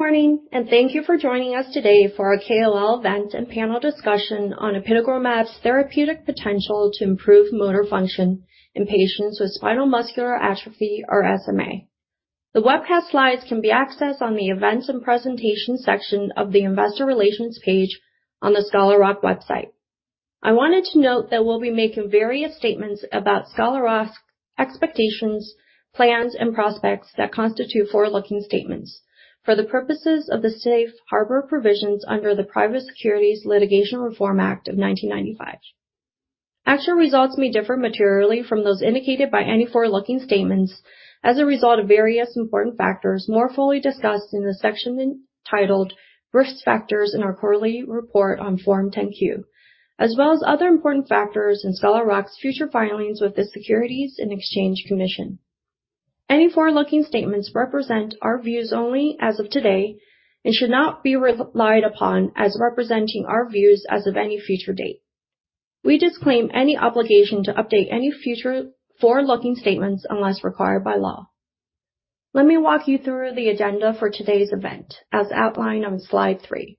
Morning, thank you for joining us today for our KOL event and panel discussion on apitegromab's therapeutic potential to improve motor function in patients with spinal muscular atrophy or SMA. The webcast slides can be accessed on the Events and Presentation section of the Investor Relations page on the Scholar Rock website. I wanted to note that we'll be making various statements about Scholar Rock's expectations, plans, and prospects that constitute forward-looking statements for the purposes of the safe harbor provisions under the Private Securities Litigation Reform Act of 1995. Actual results may differ materially from those indicated by any forward-looking statements as a result of various important factors more fully discussed in the section titled "Risk Factors" in our quarterly report on Form 10-Q, as well as other important factors in Scholar Rock's future filings with the Securities and Exchange Commission. Any forward-looking statements represent our views only as of today and should not be relied upon as representing our views as of any future date. We disclaim any obligation to update any forward-looking statements unless required by law. Let me walk you through the agenda for today's event, as outlined on slide three.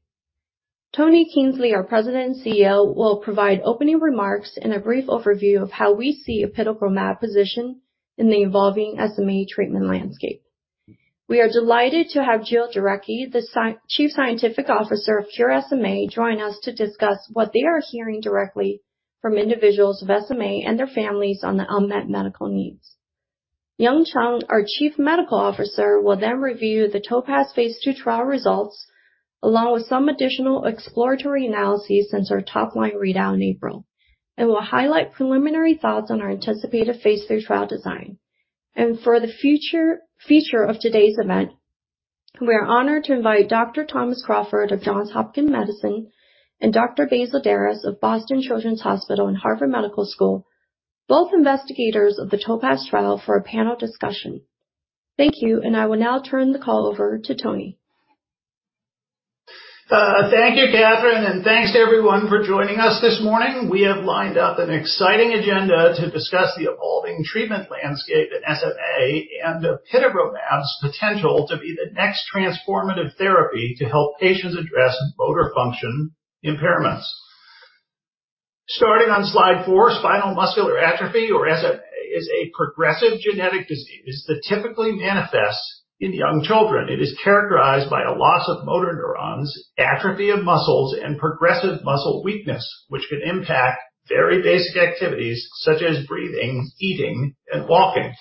Tony Kingsley, our President and Chief Executive Officer, will provide opening remarks and a brief overview of how we see apitegromab positioned in the evolving SMA treatment landscape. We are delighted to have Jill Jarecki, the Chief Scientific Officer of Cure SMA, join us to discuss what they are hearing directly from individuals with SMA and their families on their unmet medical needs. Yung Chyung, our Chief Medical Officer, will review the TOPAZ phase II trial results, along with some additional exploratory analyses since our top-line readout in April, and will highlight preliminary thoughts on our anticipated phase III trial design. For the feature of today's event, we're honored to invite Dr. Thomas Crawford of Johns Hopkins Medicine and Dr. Basil Darras of Boston Children's Hospital and Harvard Medical School, both investigators of the TOPAZ trial, for a panel discussion. Thank you, and I will now turn the call over to Tony. Thank you, Catherine, and thanks to everyone for joining us this morning. We have lined up an exciting agenda to discuss the evolving treatment landscape in SMA and apitegromab's potential to be the next transformative therapy to help patients address motor function impairments. Starting on slide four, spinal muscular atrophy or SMA is a progressive genetic disease that typically manifests in young children. It is characterized by a loss of motor neurons, atrophy of muscles, and progressive muscle weakness, which can impact very basic activities such as breathing, eating, and walking.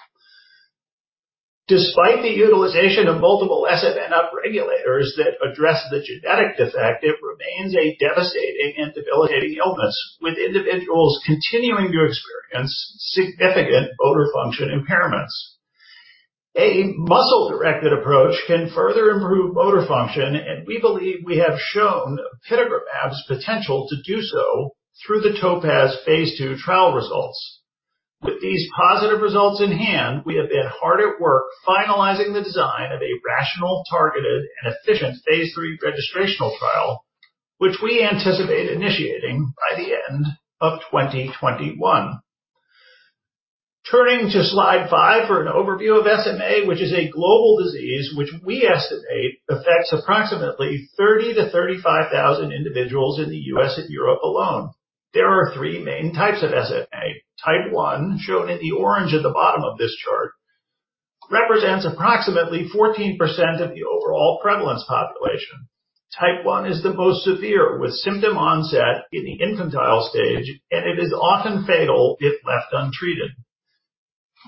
Despite the utilization of multiple SMN upregulators that address the genetic defect, it remains a devastating and debilitating illness, with individuals continuing to experience significant motor function impairments. A muscle-directed approach can further improve motor function, and we believe we have shown apitegromab's potential to do so through the TOPAZ phase II trial results. With these positive results in hand, we have been hard at work finalizing the design of a rational, targeted, and efficient phase III registrational trial, which we anticipate initiating by the end of 2021. Turning to slide five for an overview of SMA, which is a global disease which we estimate affects approximately 30,000-35,000 individuals in the U.S. and Europe alone. There are three main Types of SMA. Type 1, shown in the orange at the bottom of this chart, represents approximately 14% of the overall prevalence population. Type 1 is the most severe, with symptom onset in the infantile stage, and it is often fatal if left untreated.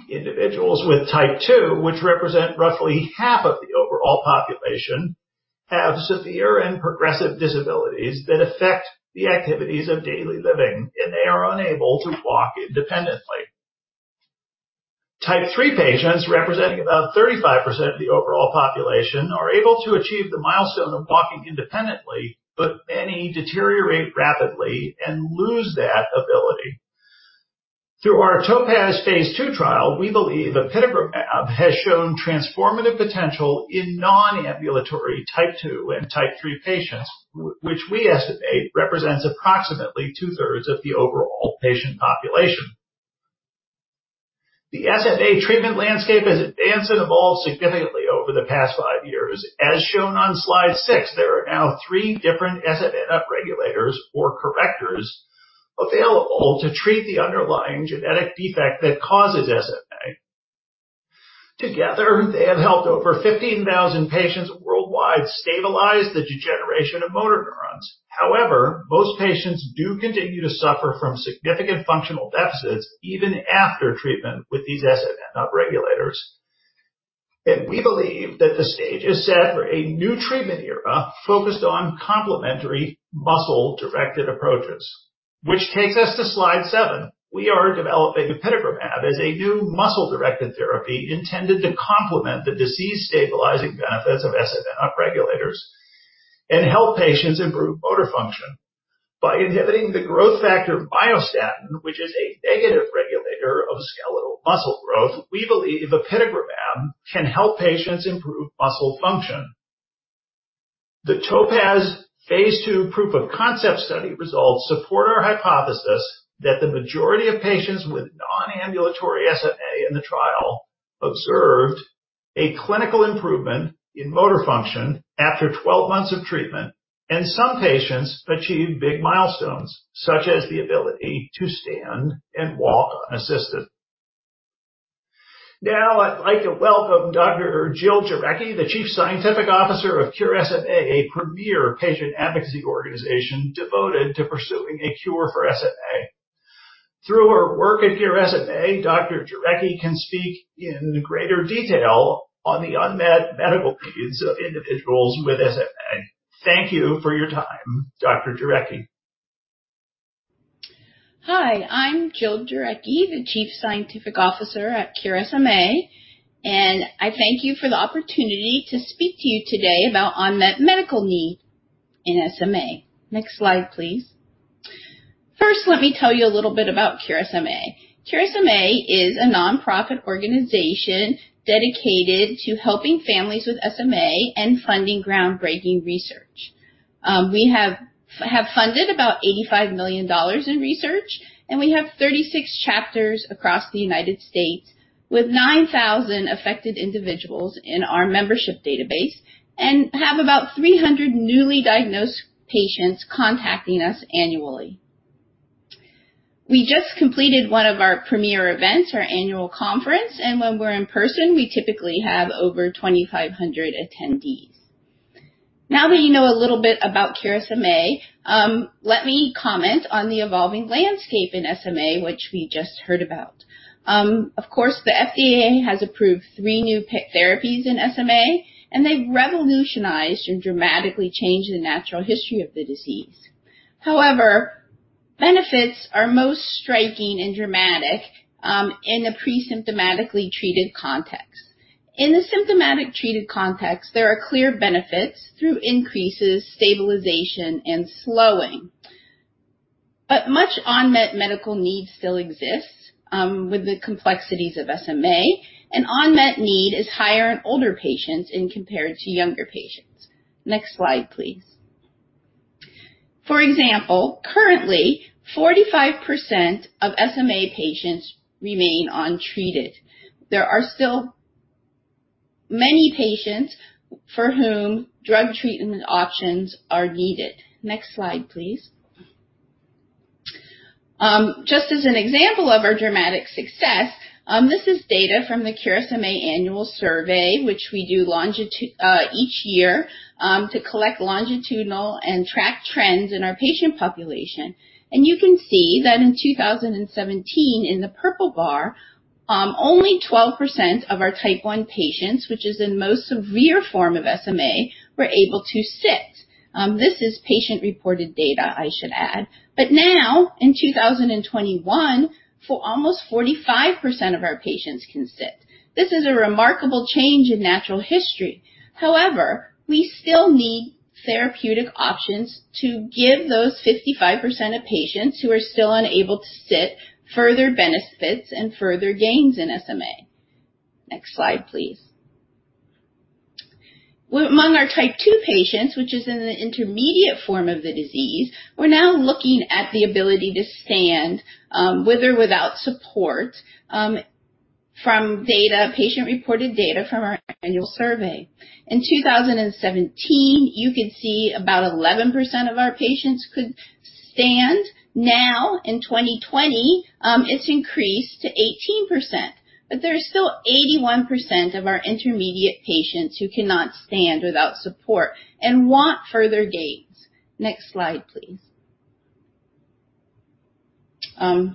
Individuals with Type 2, which represent roughly half of the overall population, have severe and progressive disabilities that affect the activities of daily living, and they are unable to walk independently. Type 3 patients, representing about 35% of the overall population, are able to achieve the milestone of walking independently, but many deteriorate rapidly and lose that ability. Through our TOPAZ phase II trial, we believe apitegromab has shown transformative potential in non-ambulatory Type 2 and Type 3 patients, which we estimate represents approximately 2/3 of the overall patient population. The SMA treatment landscape has advanced and evolved significantly over the past five years. As shown on slide six, there are now three different SMN upregulators or correctors available to treat the underlying genetic defect that causes SMA. Together, they have helped over 15,000 patients worldwide stabilize the degeneration of motor neurons. However, most patients do continue to suffer from significant functional deficits even after treatment with these SMN upregulators, and we believe that the stage is set for a new treatment era focused on complementary muscle-directed approaches. Which takes us to slide seven. We are developing apitegromab as a new muscle-directed therapy intended to complement the disease-stabilizing benefits of SMN upregulators and help patients improve motor function. By inhibiting the growth factor myostatin, which is a negative regulator of skeletal muscle growth, we believe apitegromab can help patients improve muscle function. The TOPAZ phase II proof of concept study results support our hypothesis that the majority of patients with non-ambulatory SMA in the trial observed a clinical improvement in motor function after 12 months of treatment, and some patients achieved big milestones, such as the ability to stand and walk unassisted. I'd like to welcome Dr. Jill Jarecki, the Chief Scientific Officer of Cure SMA, a premier patient advocacy organization devoted to pursuing a cure for SMA. Through her work at Cure SMA, Dr. Jarecki can speak in greater detail on the unmet medical needs of individuals with SMA. Thank you for your time, Dr. Jarecki. Hi, I'm Jill Jarecki, the Chief Scientific Officer at Cure SMA, and I thank you for the opportunity to speak to you today about unmet medical needs in SMA. Next slide, please. First, let me tell you a little bit about Cure SMA. Cure SMA is a nonprofit organization dedicated to helping families with SMA and funding groundbreaking research. We have funded about $85 million in research, and we have 36 chapters across the U.S. with 9,000 affected individuals in our membership database and have about 300 newly diagnosed patients contacting us annually. We just completed one of our premier events, our annual conference, and when we're in person, we typically have over 2,500 attendees. Now that you know a little bit about Cure SMA, let me comment on the evolving landscape in SMA, which we just heard about. Of course, the FDA has approved three new therapies in SMA, and they've revolutionized and dramatically changed the natural history of the disease. However, benefits are most striking and dramatic in the pre-symptomatically treated context. In the symptomatic treated context, there are clear benefits through increases, stabilization, and slowing. Much unmet medical need still exists with the complexities of SMA and unmet need is higher in older patients when compared to younger patients. Next slide, please. For example, currently, 45% of SMA patients remain untreated. There are still many patients for whom drug treatment options are needed. Next slide, please. Just as an example of our dramatic success, this is data from the Cure SMA annual survey, which we do each year to collect longitudinal and track trends in our patient population. You can see that in 2017, in the purple bar, only 12% of our Type 1 patients, which is the most severe form of SMA, were able to sit. This is patient-reported data, I should add. Now in 2021, almost 45% of our patients can sit. This is a remarkable change in natural history. However, we still need therapeutic options to give those 55% of patients who are still unable to sit further benefits and further gains in SMA. Next slide, please. With among our Type 2 patients, which is in the intermediate form of the disease, we're now looking at the ability to stand with or without support from patient-reported data from our annual survey. In 2017, you can see about 11% of our patients could stand. In 2020, it's increased to 18%, there's still 81% of our intermediate patients who cannot stand without support and want further gains. Next slide, please. How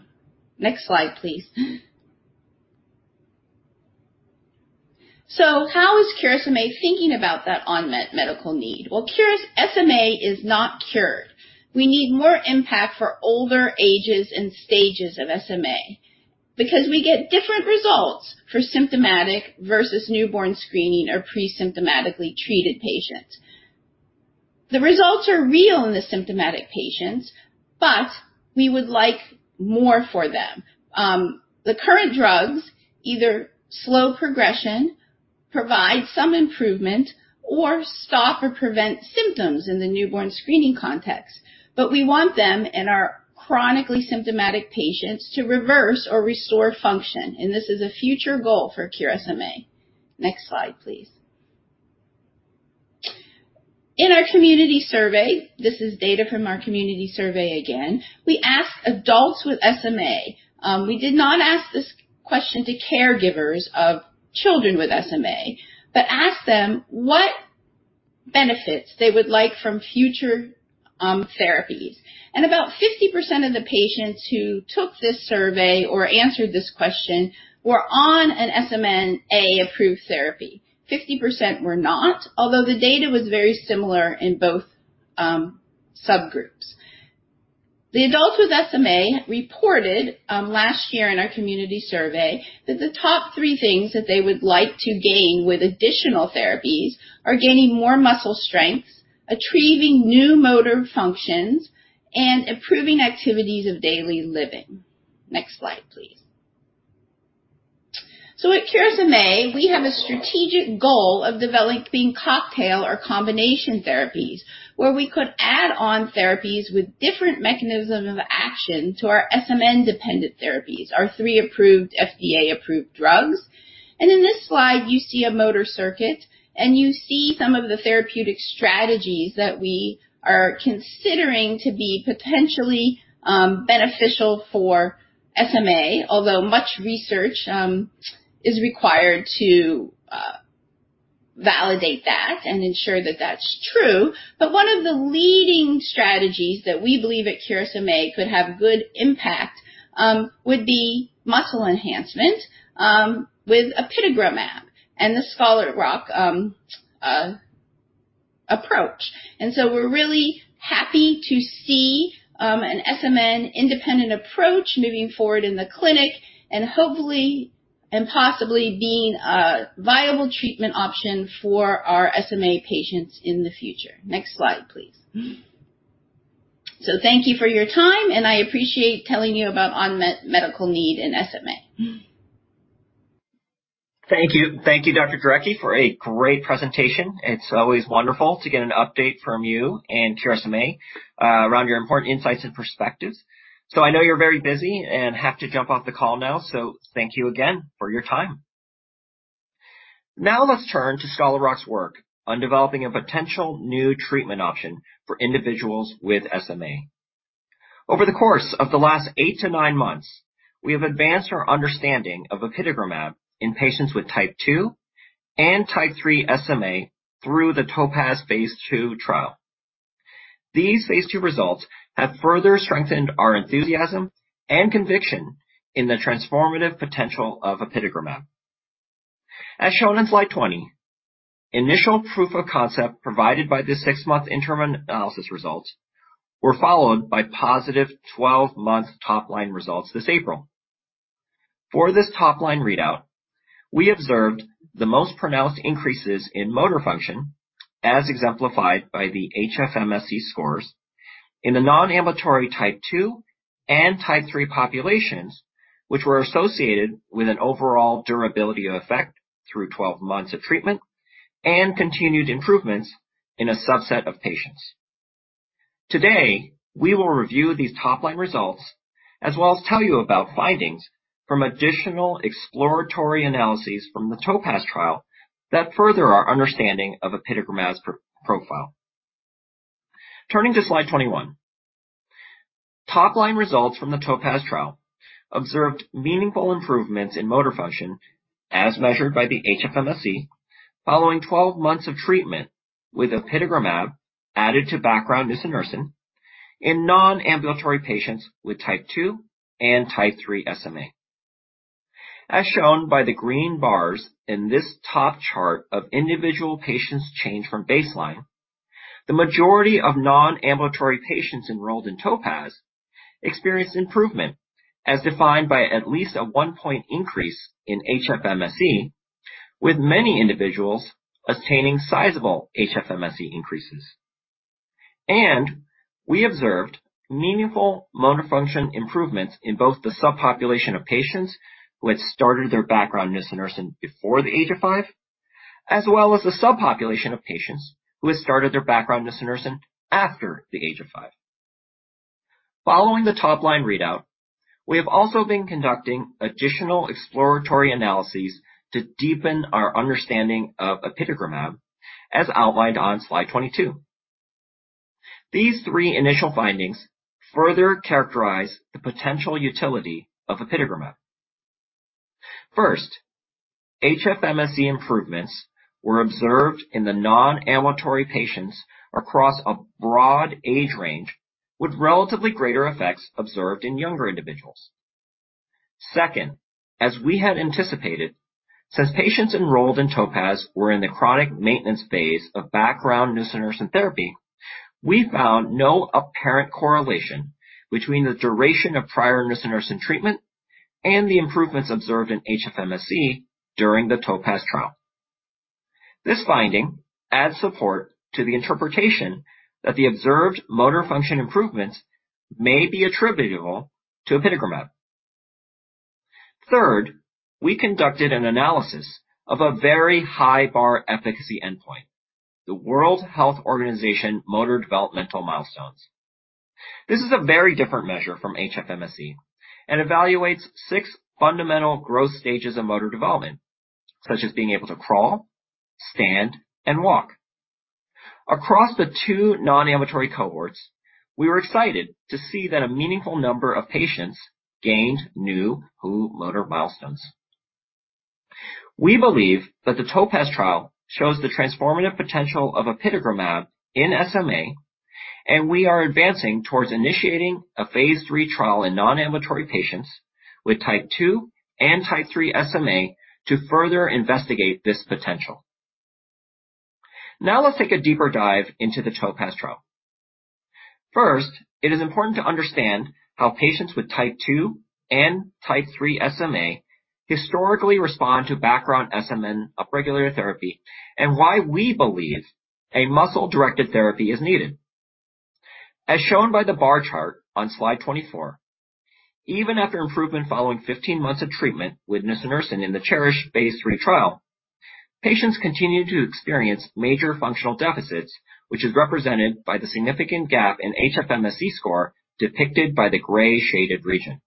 is Cure SMA thinking about that unmet medical need? Cure SMA is not cured. We need more impact for older ages and stages of SMA because we get different results for symptomatic versus newborn screening or pre-symptomatically treated patients. The results are real in the symptomatic patients, we would like more for them. The current drugs either slow progression, provide some improvement, or stop or prevent symptoms in the newborn screening context. We want them in our chronically symptomatic patients to reverse or restore function, and this is a future goal for Cure SMA. Next slide, please. In our community survey, this is data from our community survey again, we asked adults with SMA. We did not ask this question to caregivers of children with SMA, but asked them what benefits they would like from future therapies. About 50% of the patients who took this survey or answered this question were on an SMA-approved therapy. 50% were not, although the data was very similar in both subgroups. The adults with SMA reported last year in our community survey that the top three things that they would like to gain with additional therapies are gaining more muscle strength, achieving new motor functions, and improving activities of daily living. Next slide, please. At Cure SMA, we have a strategic goal of developing cocktail or combination therapies where we could add on therapies with different mechanism of action to our SMN-dependent therapies, our three FDA-approved drugs. In this slide, you see a motor circuit, and you see some of the therapeutic strategies that we are considering to be potentially beneficial for SMA, although much research is required to validate that and ensure that that's true. One of the leading strategies that we believe at Cure SMA could have good impact would be muscle enhancement with apitegromab and the Scholar Rock approach. We're really happy to see an SMN independent approach moving forward in the clinic and hopefully and possibly being a viable treatment option for our SMA patients in the future. Next slide, please. Thank you for your time, and I appreciate telling you about unmet medical need in SMA. Thank you, Dr. Jarecki, for a great presentation. It's always wonderful to get an update from you and Cure SMA around your important insights and perspectives. I know you're very busy and have to jump off the call now, so thank you again for your time. Now let's turn to Scholar Rock's work on developing a potential new treatment option for individuals with SMA. Over the course of the last eight to nine months, we have advanced our understanding of apitegromab in patients with Type 2 and Type 3 SMA through the TOPAZ phase II trial. These phase II results have further strengthened our enthusiasm and conviction in the transformative potential of apitegromab. As shown in slide 20, initial proof of concept provided by the six month interim analysis results were followed by +12-month top line results this April. For this top line readout, we observed the most pronounced increases in motor function, as exemplified by the HFMSE scores in the non-ambulatory Type 2 and Type 3 populations, which were associated with an overall durability effect through 12 months of treatment and continued improvements in a subset of patients. Today, we will review these top line results as well as tell you about findings from additional exploratory analyses from the TOPAZ trial that further our understanding of apitegromab's profile. Turning to slide 21. Top line results from the TOPAZ trial observed meaningful improvements in motor function as measured by the HFMSE following 12 months of treatment with apitegromab added to background nusinersen in non-ambulatory patients with Type 2 and Type 3 SMA. As shown by the green bars in this top chart of individual patients' change from baseline, the majority of non-ambulatory patients enrolled in TOPAZ experienced improvement as defined by at least a 1-point increase in HFMSE, with many individuals attaining sizable HFMSE increases. We observed meaningful motor function improvements in both the subpopulation of patients who had started their background nusinersen before the age of five, as well as the subpopulation of patients who had started their background nusinersen after the age of five. Following the top line readout, we have also been conducting additional exploratory analyses to deepen our understanding of apitegromab as outlined on slide 22. These three initial findings further characterize the potential utility of apitegromab. First, HFMSE improvements were observed in the non-ambulatory patients across a broad age range with relatively greater effects observed in younger individuals. Second, as we had anticipated, since patients enrolled in TOPAZ were in the chronic maintenance phase of background nusinersen therapy, we found no apparent correlation between the duration of prior nusinersen treatment and the improvements observed in HFMSE during the TOPAZ trial. This finding adds support to the interpretation that the observed motor function improvements may be attributable to apitegromab. Third, we conducted an analysis of a very high bar efficacy endpoint, the World Health Organization motor developmental milestones. This is a very different measure from HFMSE and evaluates six fundamental growth stages of motor development, such as being able to crawl, stand, and walk. Across the two non-ambulatory Cohorts, we were excited to see that a meaningful number of patients gained new WHO motor milestones. We believe that the TOPAZ trial shows the transformative potential of apitegromab in SMA. We are advancing towards initiating a phase III trial in non-ambulatory patients with Type 2 and Type 3 SMA to further investigate this potential. Let's take a deeper dive into the TOPAZ trial. It is important to understand how patients with Type 2 and Type 3 SMA historically respond to background SMN upregulator therapy and why we believe a muscle-directed therapy is needed. As shown by the bar chart on slide 24, even after improvement following 15 months of treatment with nusinersen in the CHERISH phase III trial, patients continued to experience major functional deficits, which is represented by the significant gap in HFMSE score depicted by the gray shaded region.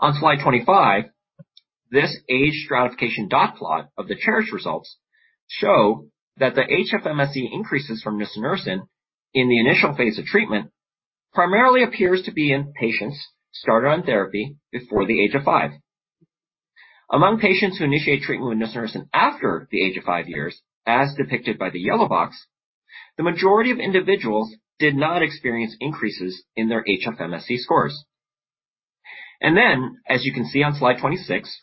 On slide 25, this age stratification dot plot of the CHERISH results show that the HFMSE increases from nusinersen in the initial phase of treatment primarily appears to be in patients started on therapy before the age of five. Among patients who initiate treatment with nusinersen after the age of five years, as depicted by the yellow box, the majority of individuals did not experience increases in their HFMSE scores. As you can see on slide 26,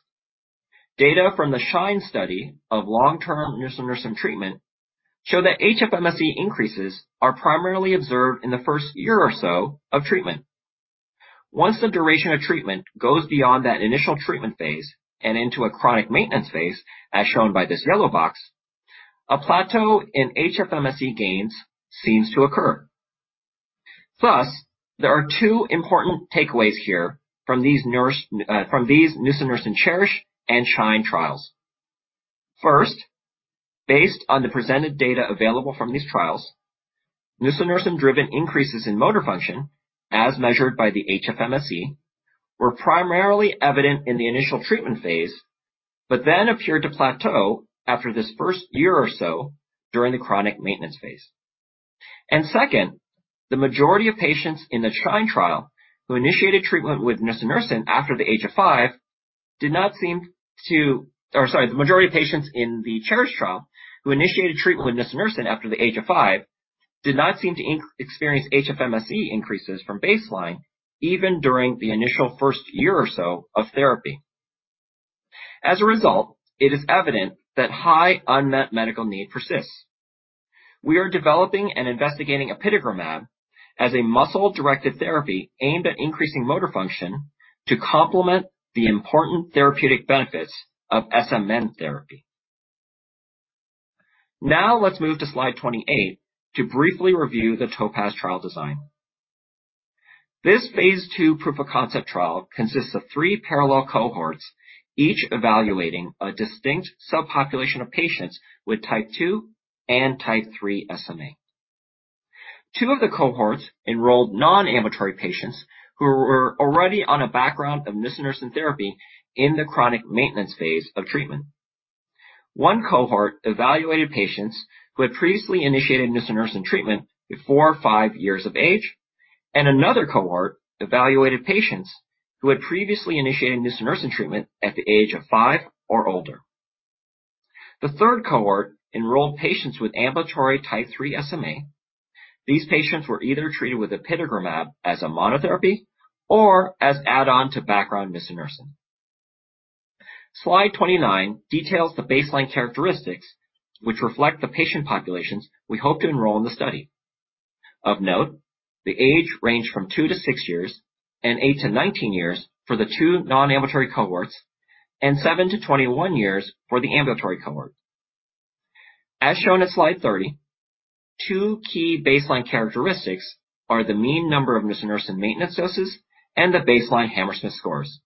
data from the SHINE study of long-term nusinersen treatment show that HFMSE increases are primarily observed in the first year or so of treatment. Once the duration of treatment goes beyond that initial treatment phase and into a chronic maintenance phase, as shown by this yellow box, a plateau in HFMSE gains seems to occur. Thus, there are two important takeaways here from these nusinersen CHERISH and SHINE trials. First, based on the presented data available from these trials, nusinersen-driven increases in motor function, as measured by the HFMSE, were primarily evident in the initial treatment phase, but then appeared to plateau after this first year or so during the chronic maintenance phase. Second, the majority of patients in the SHINE trial who initiated treatment with nusinersen after the age of five did not seem to experience HFMSE increases from baseline even during the initial first year or so of therapy. As a result, it is evident that high unmet medical need persists. We are developing and investigating apitegromab as a muscle-directed therapy aimed at increasing motor function to complement the important therapeutic benefits of SMN therapy. Now let's move to slide 28 to briefly review the TOPAZ trial design. This phase II proof of concept trial consists of three parallel Cohorts, each evaluating a distinct subpopulation of patients with Type 2 and Type 3 SMA. Two of the Cohorts enrolled non-ambulatory patients who were already on a background of nusinersen therapy in the chronic maintenance phase of treatment. One Cohort evaluated patients who had previously initiated nusinersen treatment before five years of age, and another Cohort evaluated patients who had previously initiated nusinersen treatment at the age of five or older. The third Cohort enrolled patients with ambulatory Type 3 SMA. These patients were either treated with apitegromab as a monotherapy or as add-on to background nusinersen. Slide 29 details the baseline characteristics which reflect the patient populations we hope to enroll in the study. Of note, the age ranged from two to six years and 8-19 years for the two non-ambulatory Cohorts, and 7-21 years for the ambulatory Cohort. As shown on slide 30, two key baseline characteristics are the mean number of nusinersen maintenance doses and the baseline Hammersmith scores.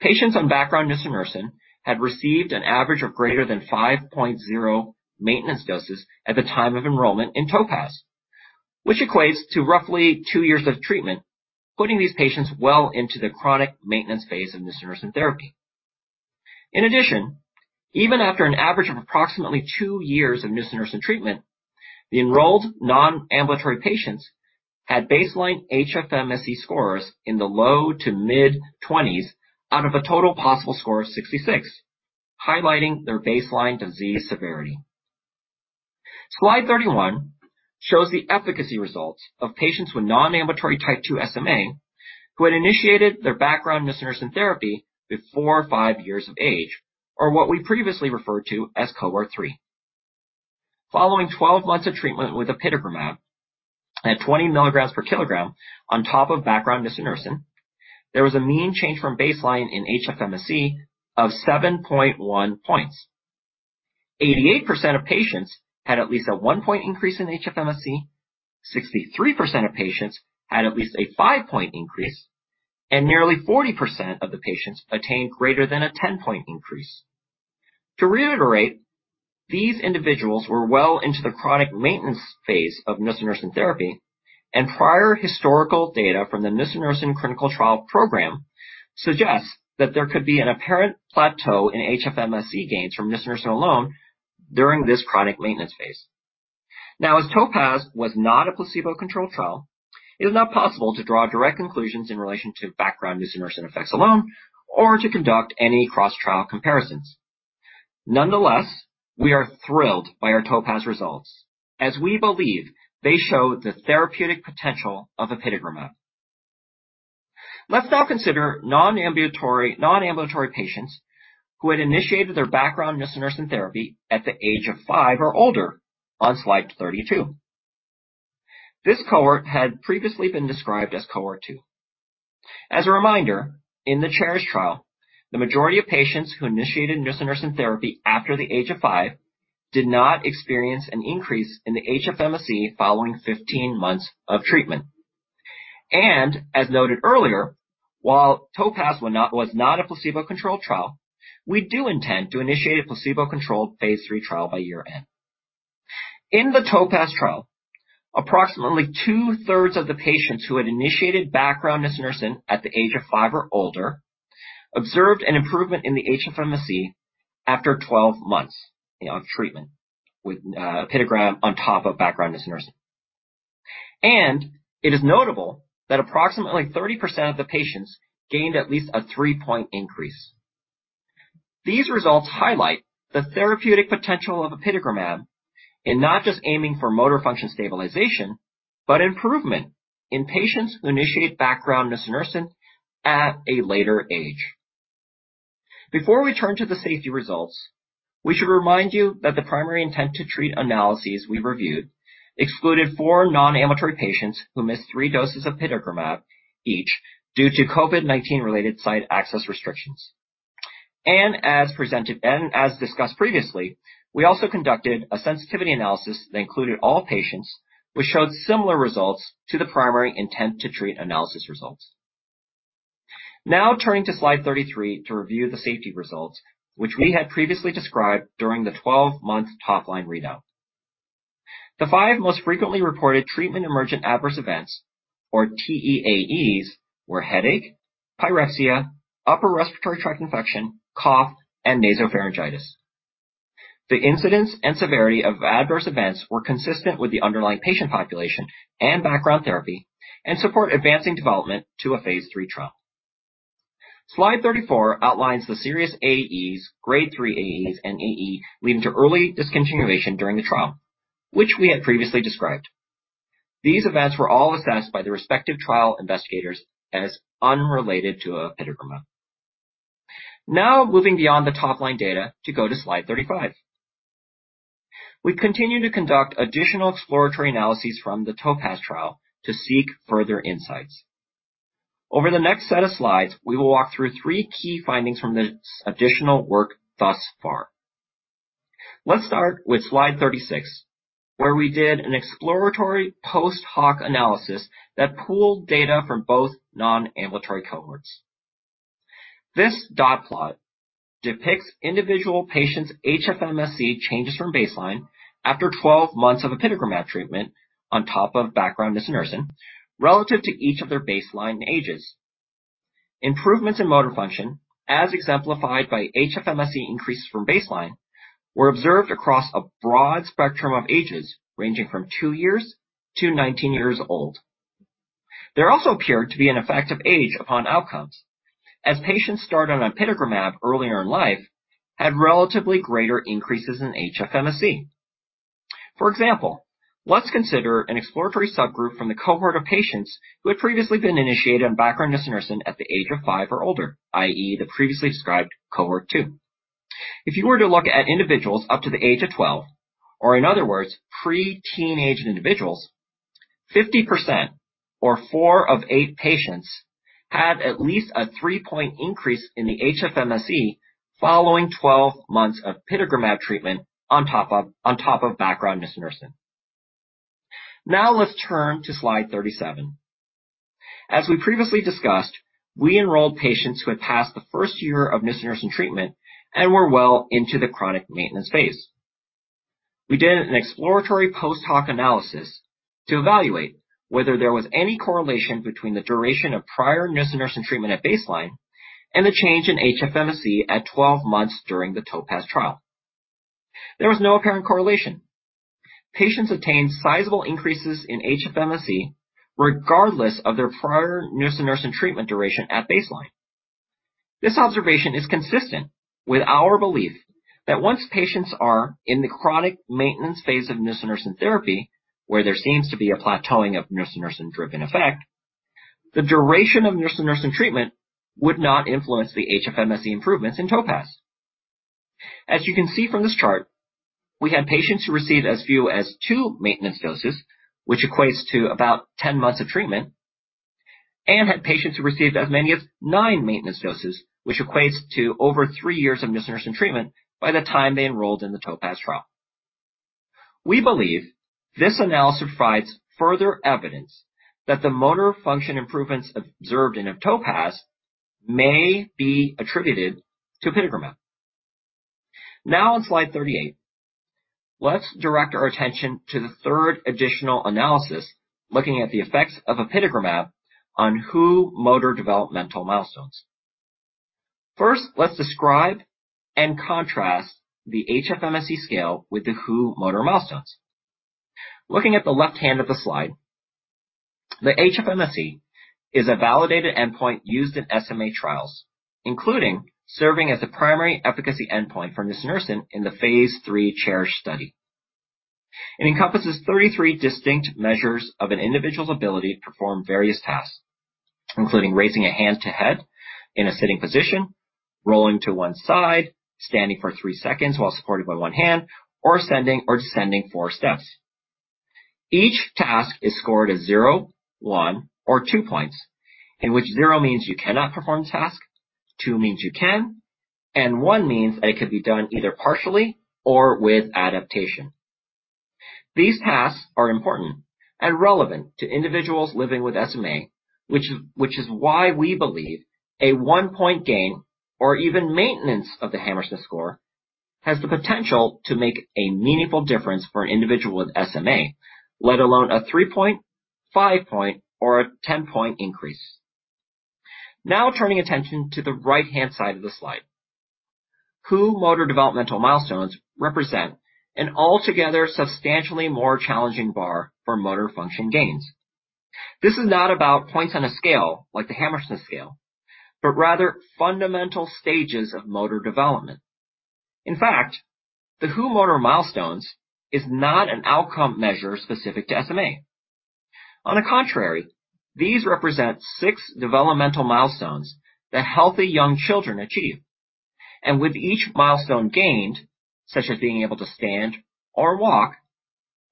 Patients on background nusinersen had received an average of greater than 5.0 maintenance doses at the time of enrollment in TOPAZ, which equates to roughly two years of treatment, putting these patients well into the chronic maintenance phase of nusinersen therapy. In addition, even after an average of approximately two years of nusinersen treatment, the enrolled non-ambulatory patients had baseline HFMSE scores in the low to mid-20s out of a total possible score of 66, highlighting their baseline disease severity. Slide 31 shows the efficacy results of patients with non-ambulatory Type 2 SMA who had initiated their background nusinersen therapy before five years of age, or what we previously referred to as Cohort 3. Following 12 months of treatment with apitegromab at 20 milligrams per kilogram on top of background nusinersen, there was a mean change from baseline in HFMSE of 7.1 points. 88% of patients had at least a 1-point increase in HFMSE, 63% of patients had at least a 5-point increase, and nearly 40% of the patients attained greater than a 10-point increase. To reiterate, these individuals were well into the chronic maintenance phase of nusinersen therapy, and prior historical data from the nusinersen clinical trial program suggests that there could be an apparent plateau in HFMSE gains from nusinersen alone during this chronic maintenance phase. Now, as TOPAZ was not a placebo-controlled trial, it is not possible to draw direct conclusions in relation to background nusinersen effects alone or to conduct any cross-trial comparisons. Nonetheless, we are thrilled by our TOPAZ results, as we believe they show the therapeutic potential of apitegromab. Let's now consider non-ambulatory patients who had initiated their background nusinersen therapy at the age of five or older on slide 32. This Cohort had previously been described as Cohort 2. As a reminder, in the CHERISH trial, the majority of patients who initiated nusinersen therapy after the age of five did not experience an increase in the HFMSE following 15 months of treatment. As noted earlier, while TOPAZ was not a placebo-controlled trial, we do intend to initiate a placebo-controlled phase III trial by year end. In the TOPAZ trial, approximately 2/3 of the patients who had initiated background nusinersen at the age of five or older observed an improvement in the HFMSE after 12 months of treatment with apitegromab on top of background nusinersen. It is notable that approximately 30% of the patients gained at least a 3-point increase. These results highlight the therapeutic potential of apitegromab in not just aiming for motor function stabilization, but improvement in patients who initiate background nusinersen at a later age. Before we turn to the safety results, we should remind you that the primary intent-to-treat analyses we reviewed excluded four non-ambulatory patients who missed three doses of apitegromab each due to COVID-19 related site access restrictions. As discussed previously, we also conducted a sensitivity analysis that included all patients, which showed similar results to the primary intent-to-treat analysis results. Now turning to slide 33 to review the safety results, which we had previously described during the 12-month top-line readout. The five most frequently reported treatment emergent adverse events, or TEAEs, were headache, pyrexia, upper respiratory tract infection, cough, and nasopharyngitis. The incidence and severity of adverse events were consistent with the underlying patient population and background therapy and support advancing development to a phase III trial. Slide 34 outlines the serious AEs, Grade 3 AEs, and AE leading to early discontinuation during the trial, which we had previously described. These events were all assessed by the respective trial investigators as unrelated to apitegromab. Now moving beyond the top-line data to go to slide 35. We continue to conduct additional exploratory analyses from the TOPAZ trial to seek further insights. Over the next set of slides, we will walk through three key findings from this additional work thus far. Let's start with slide 36, where we did an exploratory post-hoc analysis that pooled data from both non-ambulatory Cohorts. This dot plot depicts individual patients' HFMSE changes from baseline after 12 months of apitegromab treatment on top of background nusinersen relative to each of their baseline ages. Improvements in motor function, as exemplified by HFMSE increases from baseline, were observed across a broad spectrum of ages, ranging from two years to 19 years old. There also appeared to be an effect of age upon outcomes, as patients starting on apitegromab earlier in life had relatively greater increases in HFMSE. For example, let's consider an exploratory subgroup from the Cohort of patients who had previously been initiated on background nusinersen at the age of five or older, i.e., the previously described Cohort 2. If you were to look at individuals up to the age of 12, or in other words, pre-teenage individuals, 50%, or four of eight patients, had at least a 3-point increase in the HFMSE following 12 months of apitegromab treatment on top of background nusinersen. Now let's turn to slide 37. As we previously discussed, we enrolled patients who had passed the first year of nusinersen treatment and were well into the chronic maintenance phase. We did an exploratory post-hoc analysis to evaluate whether there was any correlation between the duration of prior nusinersen treatment at baseline and the change in HFMSE at 12 months during the TOPAZ trial. There was no apparent correlation. Patients attained sizable increases in HFMSE regardless of their prior nusinersen treatment duration at baseline. This observation is consistent with our belief that once patients are in the chronic maintenance phase of nusinersen therapy, where there seems to be a plateauing of nusinersen-driven effect, the duration of nusinersen treatment would not influence the HFMSE improvements in TOPAZ. As you can see from this chart, we had patients who received as few as two maintenance doses, which equates to about 10 months of treatment, and had patients who received as many as nine maintenance doses, which equates to over three years of nusinersen treatment by the time they enrolled in the TOPAZ trial. We believe this analysis provides further evidence that the motor function improvements observed in TOPAZ may be attributed to apitegromab. On slide 38, let's direct our attention to the third additional analysis looking at the effects of apitegromab on WHO motor developmental milestones. First, let's describe and contrast the HFMSE scale with the WHO motor developmental milestones. Looking at the left hand of the slide, the HFMSE is a validated endpoint used in SMA trials, including serving as a primary efficacy endpoint for nusinersen in the phase III CHERISH study. It encompasses 33 distinct measures of an individual's ability to perform various tasks, including raising a hand to head in a sitting position, rolling to one side, standing for three seconds while supported by one hand, or ascending or descending four steps. Each task is scored as 0, 1, or 2 points, in which zero means you cannot perform the task, two means you can, and one means that it could be done either partially or with adaptation. These tasks are important and relevant to individuals living with SMA, which is why we believe a 1-point gain, or even maintenance of the Hammersmith Score, has the potential to make a meaningful difference for an individual with SMA, let alone a 3-point, 5-point, or a 10-point increase. Turning attention to the right-hand side of the slide. WHO motor developmental milestones represent an altogether substantially more challenging bar for motor function gains. This is not about points on a scale like the Hammersmith Scale, rather fundamental stages of motor development. In fact, the WHO motor milestones is not an outcome measure specific to SMA. On the contrary, these represent 6 developmental milestones that healthy young children achieve. With each milestone gained, such as being able to stand or walk,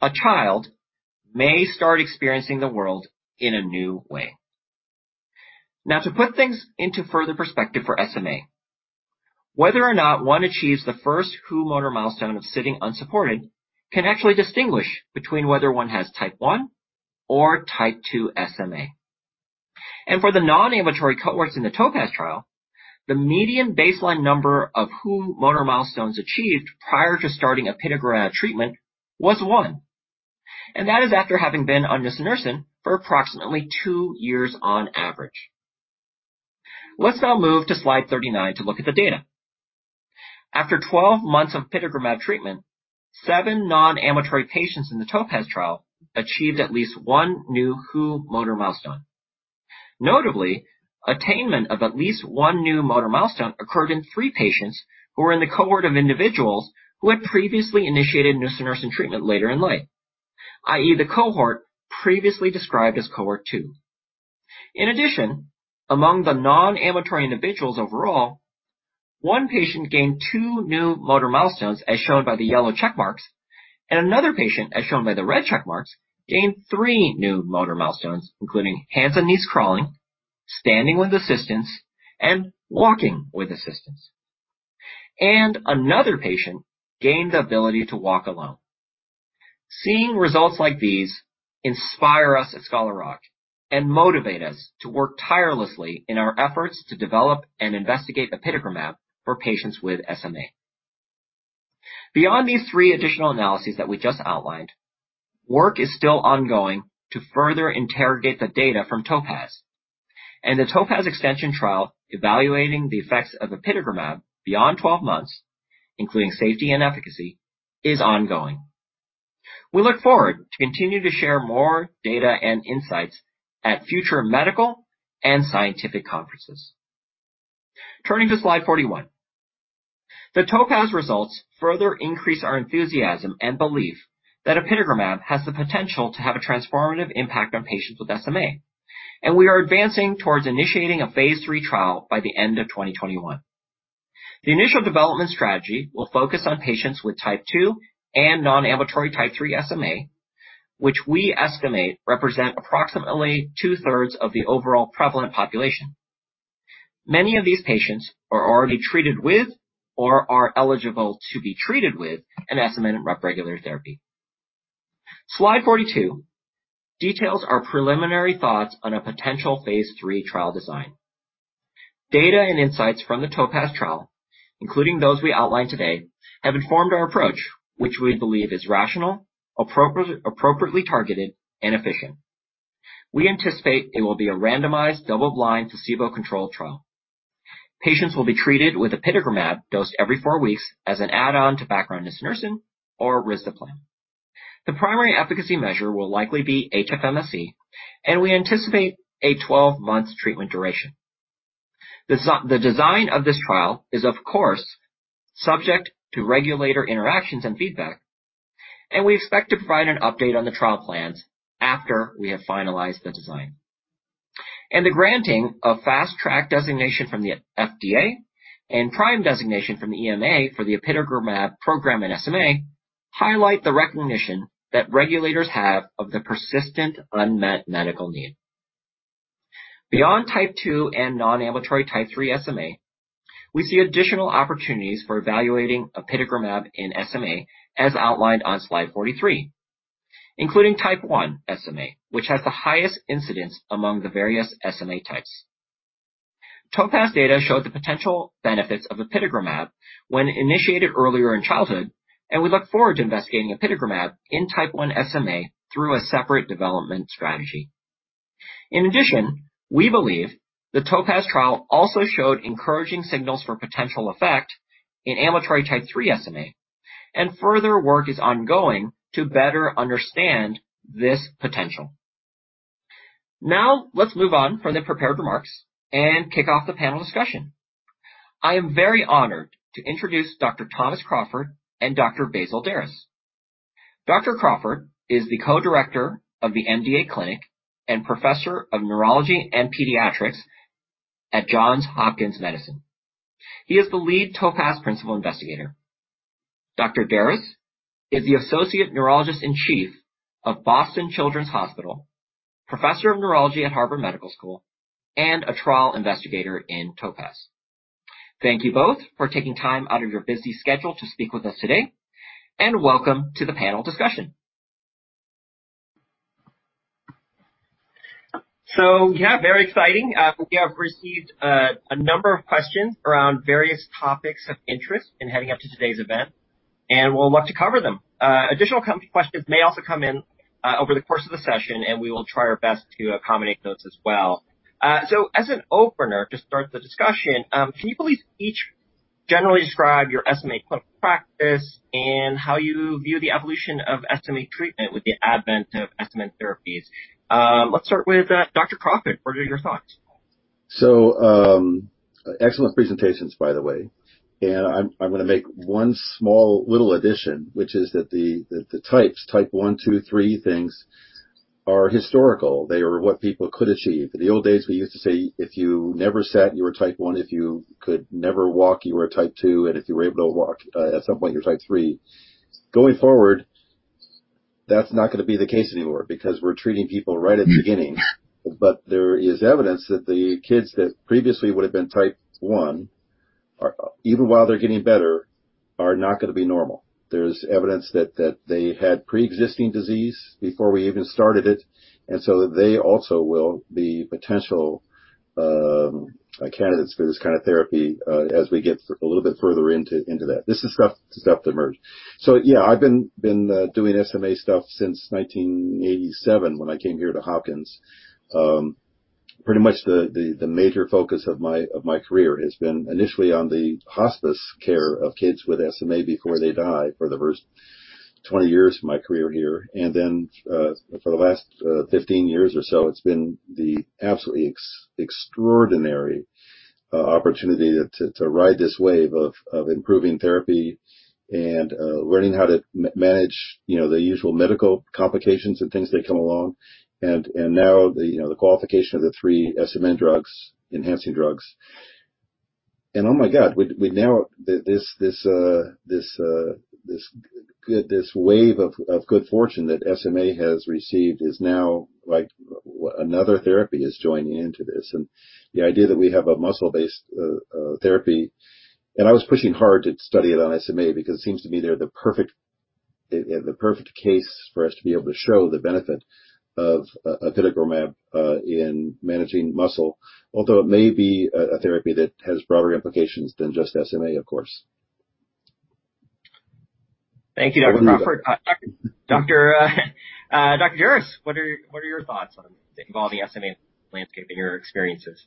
a child may start experiencing the world in a new way. Now, to put things into further perspective for SMA, whether or not one achieves the first WHO motor milestone of sitting unsupported can actually distinguish between whether one has Type 1 or Type 2 SMA. For the non-ambulatory Cohorts in the TOPAZ trial, the median baseline number of WHO motor milestones achieved prior to starting apitegromab treatment was one, and that is after having been on nusinersen for approximately two years on average. Let's now move to slide 39 to look at the data. After 12 months of apitegromab treatment, seven non-ambulatory patients in the TOPAZ trial achieved at least one new WHO motor milestone. Notably, attainment of at least one new motor milestone occurred in three patients who were in the Cohort of individuals who had previously initiated nusinersen treatment later in life, i.e., the Cohort previously described as Cohort 2. In addition, among the non-ambulatory individuals overall, one patient gained two new motor milestones, as shown by the yellow check marks, and another patient, as shown by the red check marks, gained three new motor milestones, including hands and knees crawling, standing with assistance, and walking with assistance. Another patient gained the ability to walk alone. Seeing results like these inspire us at Scholar Rock and motivate us to work tirelessly in our efforts to develop and investigate apitegromab for patients with SMA. Beyond these three additional analyses that we just outlined, work is still ongoing to further interrogate the data from TOPAZ. The TOPAZ extension trial evaluating the effects of apitegromab beyond 12 months, including safety and efficacy, is ongoing. We look forward to continuing to share more data and insights at future medical and scientific conferences. Turning to slide 41. The TOPAZ results further increase our enthusiasm and belief that apitegromab has the potential to have a transformative impact on patients with SMA. We are advancing towards initiating a phase III trial by the end of 2021. The initial development strategy will focus on patients with Type 2 and non-ambulatory Type 3 SMA, which we estimate represent approximately two-thirds of the overall prevalent population. Many of these patients are already treated with or are eligible to be treated with an SMA-approved upregulator therapy. Slide 42 details our preliminary thoughts on a potential phase III trial design. Data and insights from the TOPAZ trial, including those we outlined today, have informed our approach, which we believe is rational, appropriately targeted, and efficient. We anticipate it will be a randomized, double-blind, placebo-controlled trial. Patients will be treated with apitegromab dosed every four weeks as an add-on to background nusinersen or risdiplam. The primary efficacy measure will likely be HFMSE, we anticipate a 12-month treatment duration. The design of this trial is, of course, subject to regulator interactions and feedback, we expect to provide an update on the trial plans after we have finalized the design. The granting of Fast Track designation from the FDA and PRIME designation from the EMA for the apitegromab program in SMA highlight the recognition that regulators have of the persistent unmet medical need. Beyond Type 2 and non-ambulatory Type 3 SMA, we see additional opportunities for evaluating apitegromab in SMA as outlined on Slide 43, including Type 1 SMA, which has the highest incidence among the various SMA Types. TOPAZ data showed the potential benefits of apitegromab when initiated earlier in childhood, we look forward to investigating apitegromab in Type 1 SMA through a separate development strategy. In addition, we believe the TOPAZ trial also showed encouraging signals for potential effect in ambulatory Type 3 SMA. Further work is ongoing to better understand this potential. Now, let's move on from the prepared remarks and kick off the panel discussion. I am very honored to introduce Dr. Thomas Crawford and Dr. Basil Darras. Dr. Crawford is the co-director of the MDA clinic and professor of neurology and pediatrics At Johns Hopkins Medicine. He is the lead TOPAZ Principal Investigator. Dr. Darras is the associate neurologist in chief of Boston Children's Hospital, Professor of Neurology at Harvard Medical School, and a trial investigator in TOPAZ. Thank you both for taking time out of your busy schedule to speak with us today, and welcome to the panel discussion. Yeah, very exciting. We have received a number of questions from various topics of interest in heading up to today's event, and we'll look to cover them. Additional questions may also come in over the course of the session, and we will try our best to accommodate those as well. As an opener to start the discussion, can you please each generally describe your SMA practice and how you view the evolution of SMA treatment with the advent of SMA therapies? Let's start with Dr. Crawford. What are your thoughts? Excellent presentations, by the way. I'm going to make one small little addition, which is that the Types, Type 1, 2, 3 things are historical. They are what people could achieve. In the old days, we used to say, if you never sat, you were Type 1. If you could never walk, you were Type 2, and if you were able to walk at some point, you're Type 3. Going forward, that's not going to be the case anymore because we're treating people right at the beginning. There is evidence that the kids that previously would've been Type 1, even while they're getting better, are not going to be normal. There's evidence that they had pre-existing disease before we even started it, they also will be potential candidates for this kind of therapy as we get a little bit further into that. This is stuff to emerge. Yeah, I've been doing SMA stuff since 1987 when I came here to Hopkins. Pretty much the major focus of my career has been initially on the hospice care of kids with SMA before they die for the first 20 years of my career here. Then for the last 15 years or so, it's been the absolutely extraordinary opportunity to ride this wave of improving therapy and learning how to manage the usual medical complications and things that come along. Now, the qualification of the three SMA drugs, enhancing drugs. Oh my God, this wave of good fortune that SMA has received is now like another therapy is joining into this. The idea that we have a muscle-based therapy, and I was pushing hard to study it on SMA because it seems to be the perfect case for us to be able to show the benefit of apitegromab in managing muscle. Although it may be a therapy that has broader implications than just SMA, of course. Thank you, Dr. Crawford. Dr. Darras, what are your thoughts on involving the SMA landscape in your experiences?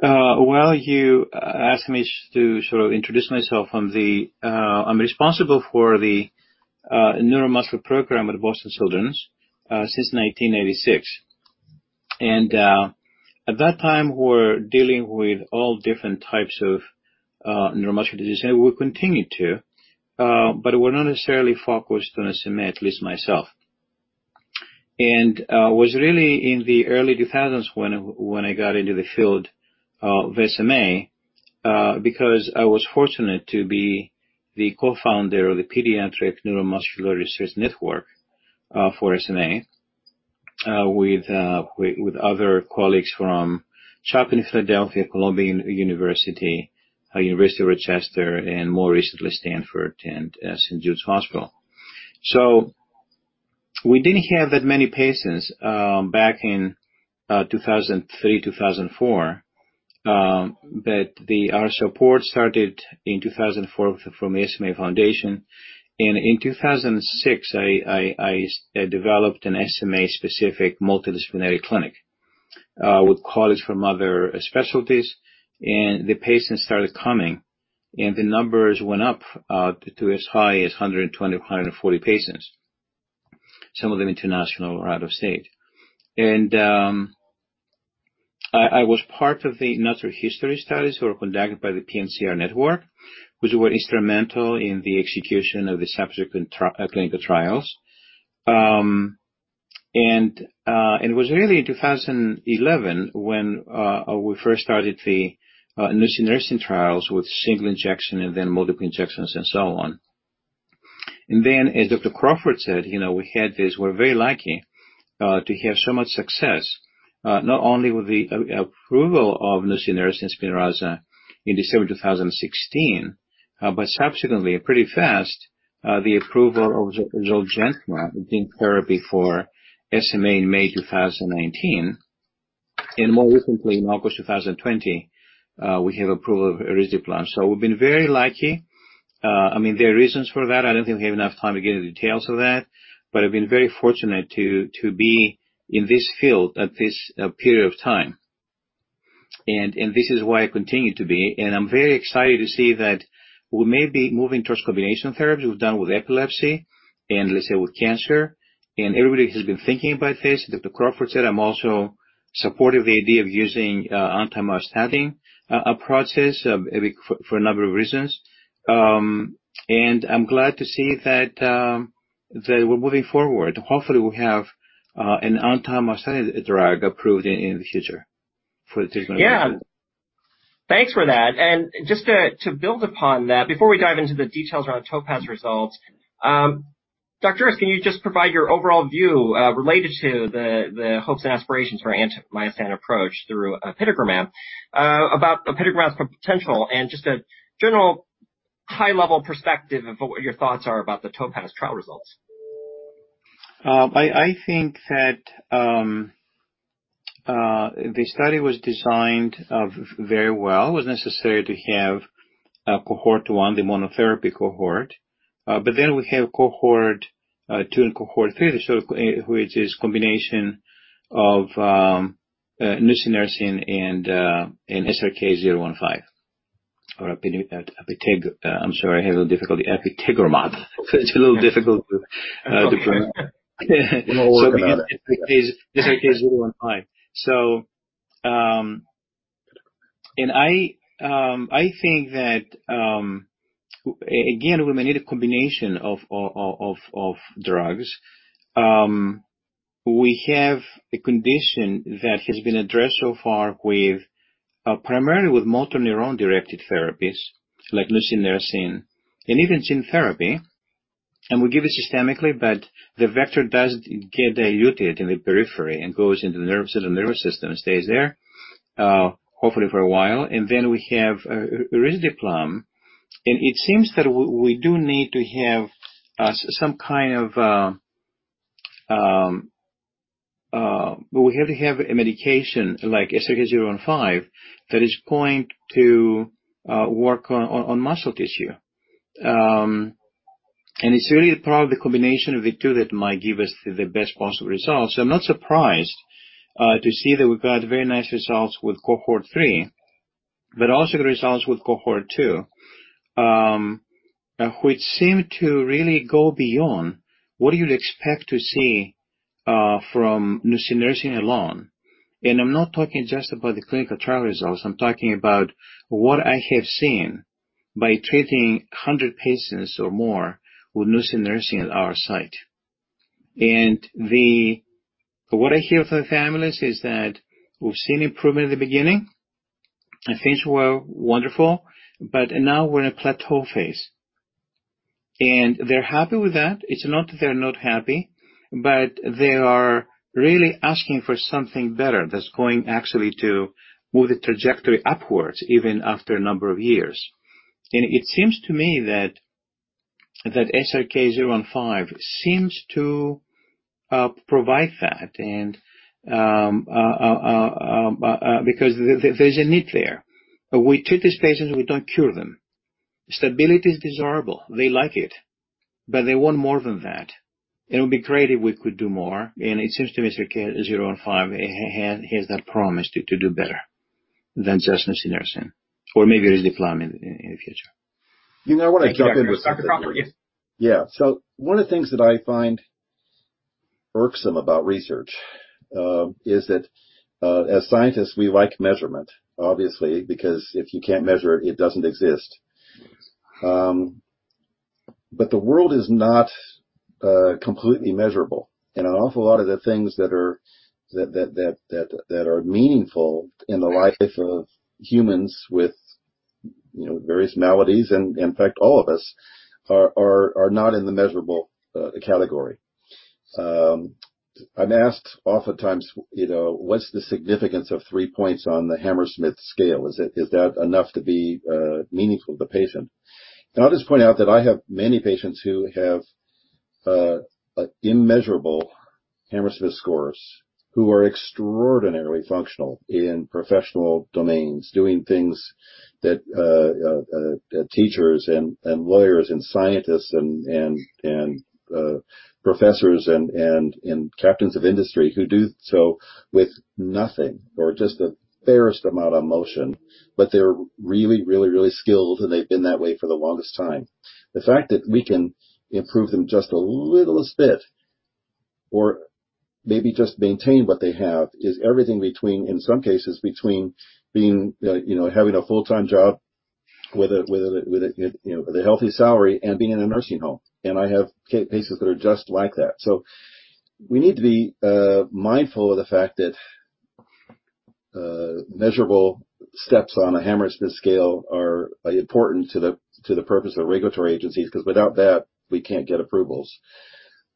Well, you asked me to sort of introduce myself. I'm responsible for the neuromuscular program at Boston Children's since 1986. At that time, we were dealing with all different Types of neuromuscular disease, and we continue to, but we're not necessarily focused on SMA, at least myself. It was really in the early 2000s when I got into the field of SMA because I was fortunate to be the Co-Founder of the Pediatric Neuromuscular Clinical Research Network for SMA with other colleagues from CHOP in Philadelphia, Columbia, University of Rochester, and more recently, Stanford and St. Jude's Hospital. We didn't have that many patients back in 2003, 2004. Our support started in 2004 from the SMA Foundation. In 2006, I developed an SMA-specific multidisciplinary clinic with colleagues from other specialties, and the patients started coming, and the numbers went up to as high as 120-140 patients, some of them international or out of state. I was part of the natural history studies that were conducted by the PNCR network, which were instrumental in the execution of the subsequent clinical trials. It was really in 2011 when we first started the nusinersen trials with single injection and then multiple injections and so on. As Dr. Crawford said, we're very lucky to have so much success, not only with the approval of nusinersen SPINRAZA in December 2016, but subsequently, pretty fast, the approval of ZOLGENSMA, the gene therapy for SMA in May 2019. More recently in August 2020, we have approval of risdiplam. We've been very lucky. There are reasons for that. I don't think we have enough time to get into details of that, but I've been very fortunate to be in this field at this period of time. This is why I continue to be, and I'm very excited to see that we may be moving towards combination therapy. We've done with epilepsy and let's say with cancer, and everybody has been thinking about this. Dr. Thomas Crawford said I'm also supportive of the idea of using anti-myostatin for a number of reasons. I'm glad to see that. We're moving forward. Hopefully, we'll have an anti-myostatin drug approved in the future for Duchenne. Yeah. Thanks for that. Just to build upon that, before we dive into the details on TOPAZ results, Dr. Darras, can you just provide your overall view related to the hopes and aspirations for anti-myostatin approach through apitegromab, about apitegromab's potential, and just a general high-level perspective of what your thoughts are about the TOPAZ trial results? I think that the study was designed very well. It was necessary to have Cohort 1, the monotherapy Cohort. We have Cohort 2 and Cohort 3, which is a combination of nusinersen and apitegromab or pimobendan. I'm sorry, I have difficulty. Pimobendan. It's a little difficult to pronounce. No worry about that. This is apitegromab. I think that, again, when we get a combination of drugs, we have a condition that has been addressed so far primarily with motor neuron-directed therapies like nusinersen and gene therapy. We give it systemically, but the vector does get diluted in the periphery and goes into the nervous system and stays there, hopefully for a while. We have risdiplam. It seems that we do need to have some kind of a medication like apitegromab that is going to work on muscle tissue. It's really probably the combination of the 2 that might give us the best possible results. I'm not surprised to see that we've got very nice results with Cohort 3, but also the results with Cohort 2, which seem to really go beyond what you'd expect to see from nusinersen alone. I'm not talking just about the clinical trial results. I'm talking about what I have seen by treating 100 patients or more with nusinersen at our site. What I hear from the families is that we've seen improvement in the beginning, and things were wonderful, but now we're in a plateau phase. They're happy with that. It's not that they're not happy, but they are really asking for something better that's going actually to move the trajectory upwards even after a number of years. It seems to me that apitegromab seems to provide that because there's a need there. We treat these patients, we don't cure them. Stability is desirable. They like it, but they want more than that. It would be great if we could do more, and it seems to me apitegromab has that promise to do better than just nusinersen or maybe risdiplam in the future. You know what, Yeah. One of the things that I find irksome about research is that as scientists, we like measurement, obviously, because if you can't measure it doesn't exist. The world is not completely measurable, and an awful lot of the things that are meaningful in the life of humans with various maladies, and in fact, all of us, are not in the measurable category. I'm asked oftentimes, "What's the significance of 3-points on the Hammersmith Scale? Is that enough to be meaningful to the patient?" I'll just point out that I have many patients who have immeasurable Hammersmith Scores who are extraordinarily functional in professional domains, doing things that teachers and lawyers and scientists and professors and captains of industry who do so with nothing or just the fairest amount of motion. They're really, really skilled, and they've been that way for the longest time. The fact that we can improve them just a little bit or maybe just maintain what they have is everything between, in some cases, between having a full-time job with a healthy salary and being in a nursing home. I have cases that are just like that. We need to be mindful of the fact that measurable steps on a Hammersmith Scale are important to the purpose of regulatory agencies, because without that, we can't get approvals.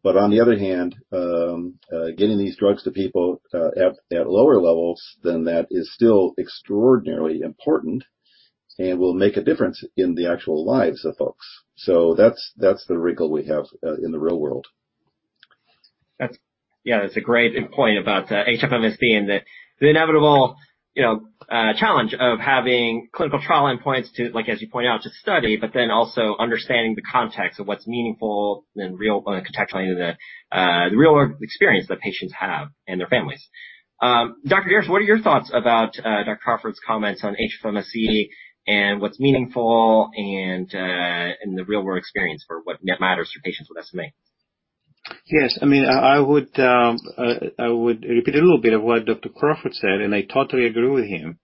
On the other hand, getting these drugs to people at lower levels than that is still extraordinarily important and will make a difference in the actual lives of folks. That's the wrinkle we have in the real world. Yeah. That's a great big point about HFMS being the inevitable challenge of having clinical trial endpoints to, like as you point out, to study, but then also understanding the context of what's meaningful and contextual in the real-world experience that patients have and their families. Dr. Darras, what are your thoughts about Dr. Crawford's comments on HFMS and what's meaningful and in the real-world experience for what matters for patients with SMA? Yes. I would repeat a little bit of what Dr. Thomas Crawford said. I totally agree with him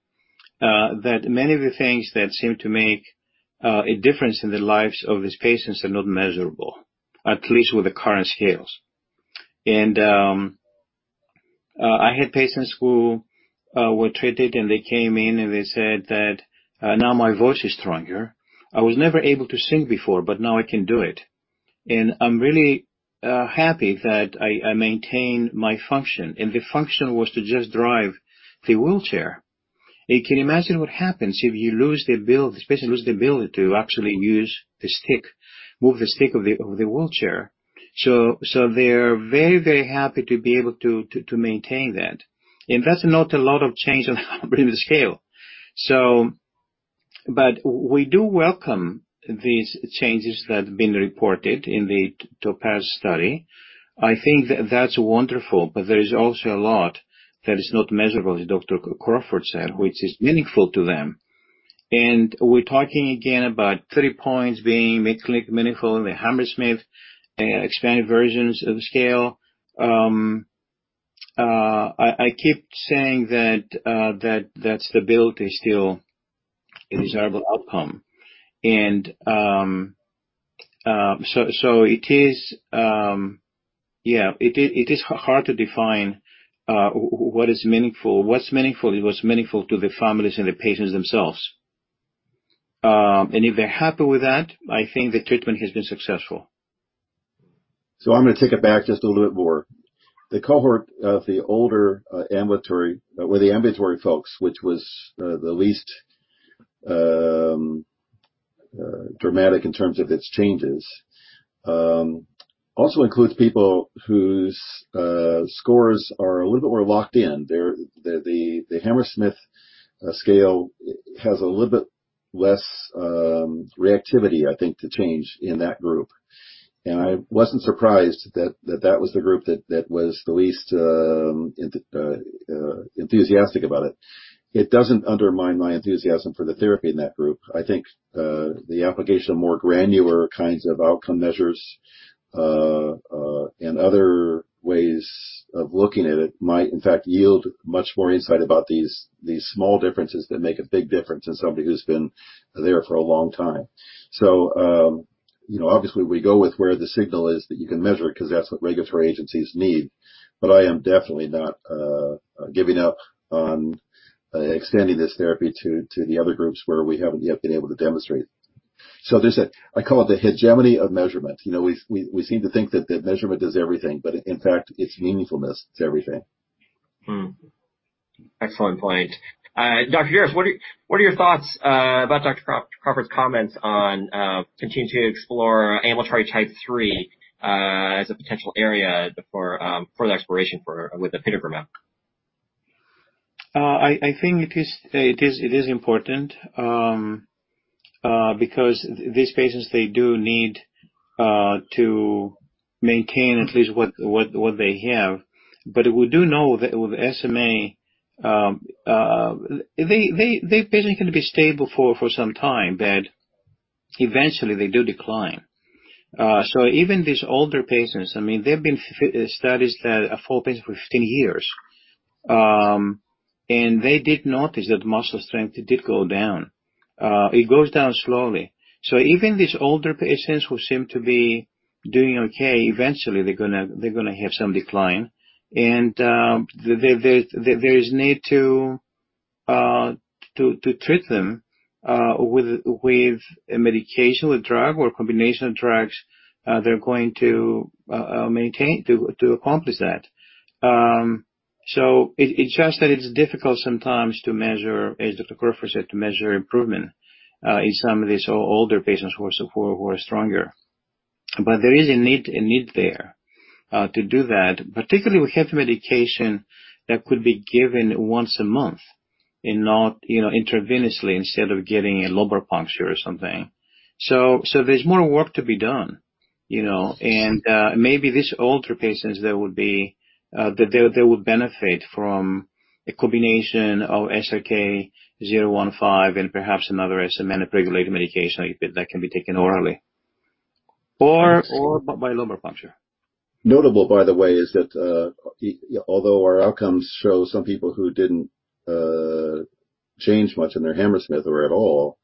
that many of the things that seem to make a difference in the lives of these patients are not measurable, at least with the current scales. I had patients who were treated, and they came in, and they said that, "Now my voice is stronger. I was never able to sing before, but now I can do it. And I'm really happy that I maintain my function." The function was to just drive the wheelchair. You can imagine what happens if this patient loses the ability to actually move the stick of the wheelchair. They are very happy to be able to maintain that. That's not a lot of change on the scale. We do welcome these changes that have been reported in the TOPAZ study. I think that's wonderful, but there is also a lot that is not measurable, as Dr. Crawford said, which is meaningful to them. We're talking again about 3-points being clinically meaningful in the Hammersmith expanded versions of the scale. I keep saying that stability is still a desirable outcome. It is hard to define what is meaningful. What's meaningful is what's meaningful to the families and the patients themselves. If they're happy with that, I think the treatment has been successful. I'm going to take it back just a little bit more. The Cohort of the older, with the ambulatory folks, which was the least dramatic in terms of its changes, also includes people whose scores are a little bit more locked in. The Hammersmith Scale has a little bit less reactivity, I think, to change in that group. I wasn't surprised that that was the group that was the least enthusiastic about it. It doesn't undermine my enthusiasm for the therapy in that group. I think the application of more granular kinds of outcome measures and other ways of looking at it might, in fact, yield much more insight about these small differences that make a big difference in somebody who's been there for a long time. Obviously, we go with where the signal is that you can measure because that's what regulatory agencies need. I am definitely not giving up on extending this therapy to the other groups where we haven't yet been able to demonstrate. There's a I call it the hegemony of measurement. We seem to think that measurement is everything, but in fact, it's meaningfulness is everything. Excellent point. Dr. Darras, what are your thoughts about Dr. Crawford's comments on continuing to explore ambulatory Type 3 as a potential area for exploration with the apitegromab? I think it is important because these patients, they do need to maintain at least what they have. We do know that with SMA, they basically can be stable for some time, but eventually they do decline. Even these older patients, there've been studies done of four patients for 15 years, and they did notice that muscle strength did go down. It goes down slowly. Even these older patients who seem to be doing okay, eventually they're going to have some decline, and there's need to treat them with a medication, with drug or combination of drugs, they're going to accomplish that. It's just that it's difficult sometimes, as Dr. Crawford said, to measure improvement in some of these older patients who are stronger. There is a need there to do that, particularly with medication that could be given once a month and not intravenously instead of getting a lumbar puncture or something. There's more work to be done. Maybe these older patients, they would benefit from a combination of apitegromab and perhaps another SMA-regulating medication that can be taken orally or by lumbar puncture. Notable, by the way, is that although our outcomes show some people who didn't change much in their Hammersmith or at all,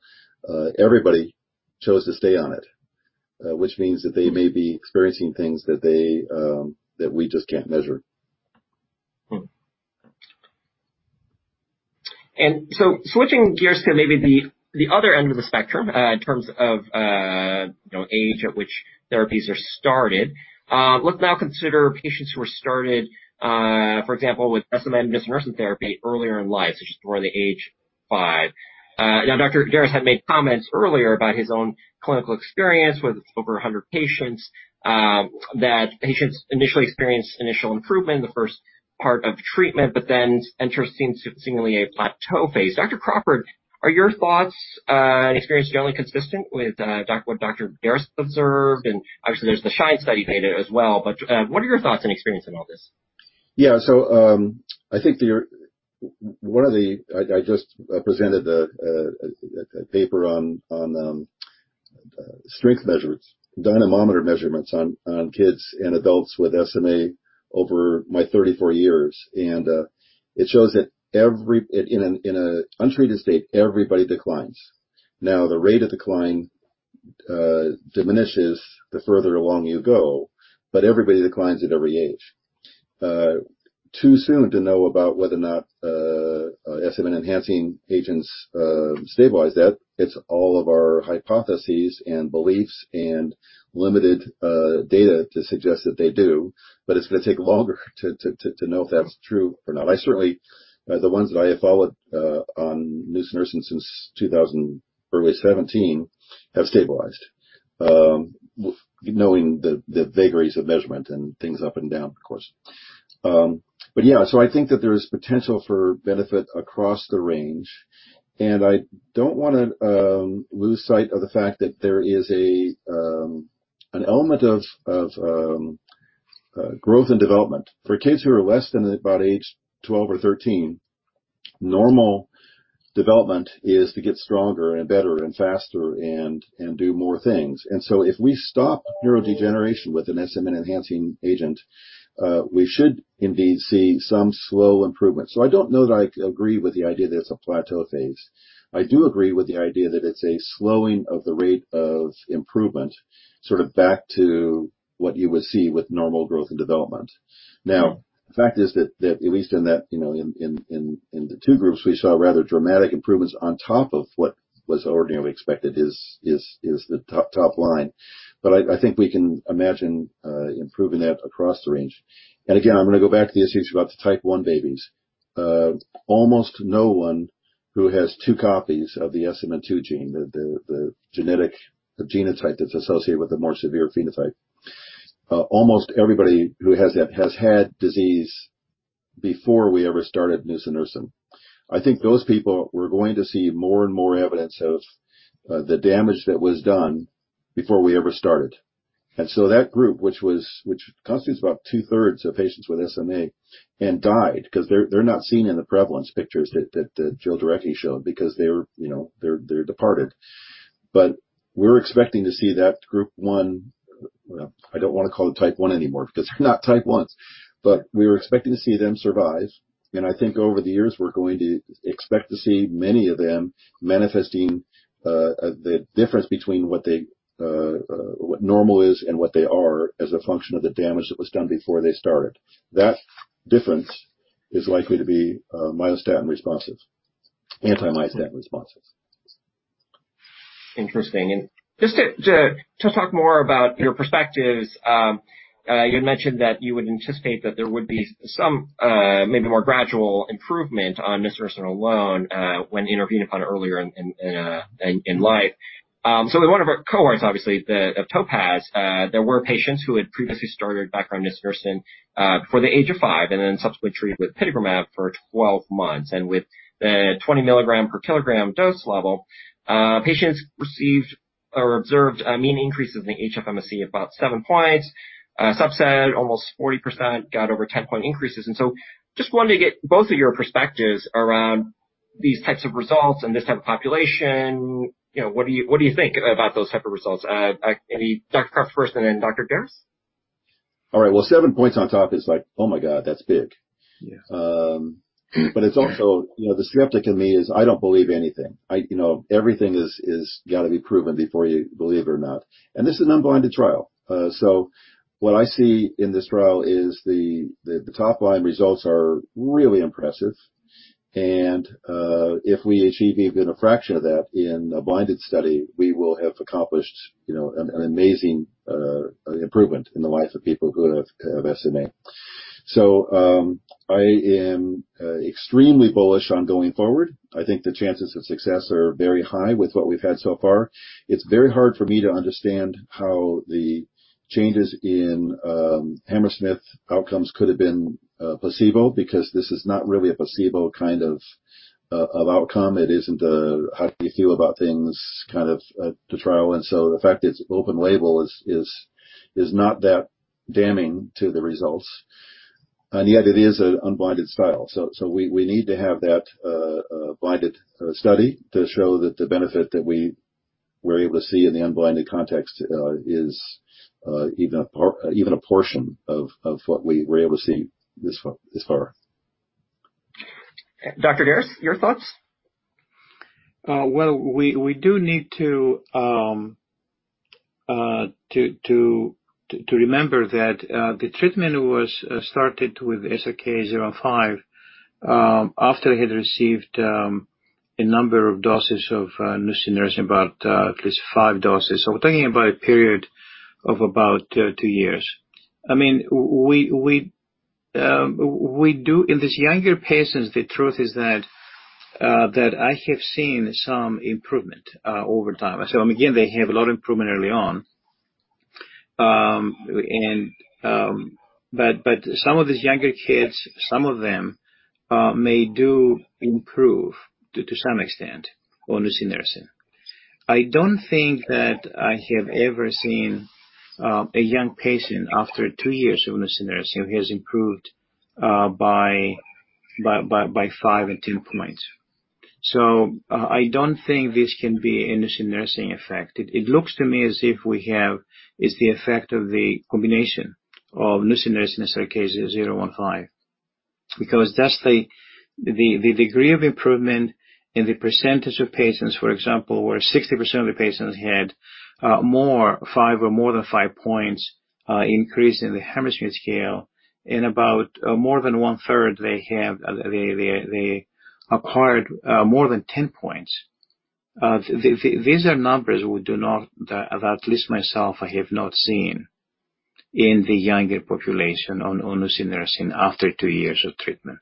everybody chose to stay on it, which means that they may be experiencing things that we just can't measure. Switching gears to maybe the other end of the spectrum in terms of age at which therapies are started. Let's now consider patients who are started, for example, with SMA therapy earlier in life, such as before the age five. Dr. Darras had made comments earlier about his own clinical experience with over 100 patients that patients initially experienced initial improvement in the first part of treatment, interestingly, a plateau phase. Dr. Crawford, are your thoughts and experience generally consistent with that what Dr. Darras observed? Obviously, there's the SHINE study data as well. What are your thoughts and experience in all this? Yeah. I just presented a paper on strength measurements, dynamometer measurements on kids and adults with SMA over my 34 years. It shows that in an untreated state, everybody declines. The rate of decline diminishes the further along you go, but everybody declines at every age. Too soon to know about whether or not SMA-enhancing agents stabilize that. It's all of our hypotheses and beliefs and limited data to suggest that they do, but it's going to take longer to know if that's true or not. Certainly, the ones that I followed on nusinersen since early 2017 have stabilized. Knowing the vagaries of measurement and things up and down, of course. Yeah. I think that there's potential for benefit across the range, and I don't want to lose sight of the fact that there is an element of growth and development. For kids who are less than about age 12 or 13, normal development is to get stronger and better and faster and do more things. If we stop neurodegeneration with an SMA-enhancing agent, we should indeed see some slow improvement. I don't know that I agree with the idea there's a plateau phase. I do agree with the idea that it's a slowing of the rate of improvement, sort of back to what you would see with normal growth and development. Now, the fact is that at least in the two groups, we saw rather dramatic improvements on top of what was already expected is the top line. I think we can imagine improving that across the range. Again, I'm going to go back to the issue about the Type 1 babies. Almost no one who has two copies of the SMN2 gene, the genotype that's associated with a more severe phenotype, almost everybody who has it has had disease before we ever started nusinersen. I think those people, we're going to see more and more evidence of the damage that was done before we ever started. That group, which constitutes about 2/3 of patients with SMA and died because they're not seen in the prevalence pictures that Jill Jarecki showed because they're departed. We're expecting to see that group. Well, I don't want to call it Type 1 anymore because they're not Type 1s. I think over the years, we're going to expect to see many of them manifesting the difference between what normal is and what they are as a function of the damage that was done before they started. That difference is likely to be myostatin responsive, anti-myostatin responsive. Interesting. Just to talk more about your perspectives, you mentioned that you would anticipate that there would be some maybe more gradual improvement on nusinersen alone when intervened upon earlier in life. In one of our Cohorts, obviously, the TOPAZ, there were patients who had previously started background nusinersen before the age of five and then subsequently treated with apitegromab for 12 months. With the 20 milligram per kilogram dose level, patients received or observed mean increases in HFMSE at about 7-points. Subset almost 40% got over 10-point increases. Just wanted to get both of your perspectives around these Types of results and this Type of population. What do you think about those Type of results? Dr. Thomas Crawford first and then Dr. Basil Darras. All right. Well, 7-points on top is like, "Oh my god, that's big. Yeah. It's also the skeptic in me is I don't believe anything. Everything has got to be proven before you believe it or not. This is an unblinded trial. What I see in this trial is the top-line results are really impressive. If we achieve even a fraction of that in a blinded study, we will have accomplished an amazing improvement in the lives of people who have SMA. I am extremely bullish on going forward. I think the chances of success are very high with what we've had so far. It's very hard for me to understand how the changes in Hammersmith outcomes could have been placebo, because this is not really a placebo kind of outcome. It isn't a how do you feel about things kind of a trial. The fact it's open label is not that damning to the results. Yet it is an unblinded style. We need to have that blinded study to show that the benefit that we were able to see in the unblinded context is even a portion of what we were able to see this far. Dr. Darras, your thoughts? Well, we do need to remember that the treatment was started with SRK-015 after he had received a number of doses of nusinersen, about at least 5 doses. We're talking about a period of about two years. In these younger patients, the truth is that I have seen some improvement over time. Again, they have a lot of improvement early on. But some of these younger kids, some of them may do improve to some extent on nusinersen. I don't think that I have ever seen a young patient after two years of nusinersen who has improved by 5-points or 2-points. I don't think this can be a nusinersen effect. It looks to me as if we have is the effect of the combination of nusinersen, so SRK-015. That's the degree of improvement in the percentage of patients, for example, where 60% of the patients had 5-points or more than 5-points increase in the Hammersmith Scale, in about more than one-third, they acquired more than 10-points. These are numbers that at least myself, I have not seen in the younger population on nusinersen after two years of treatment.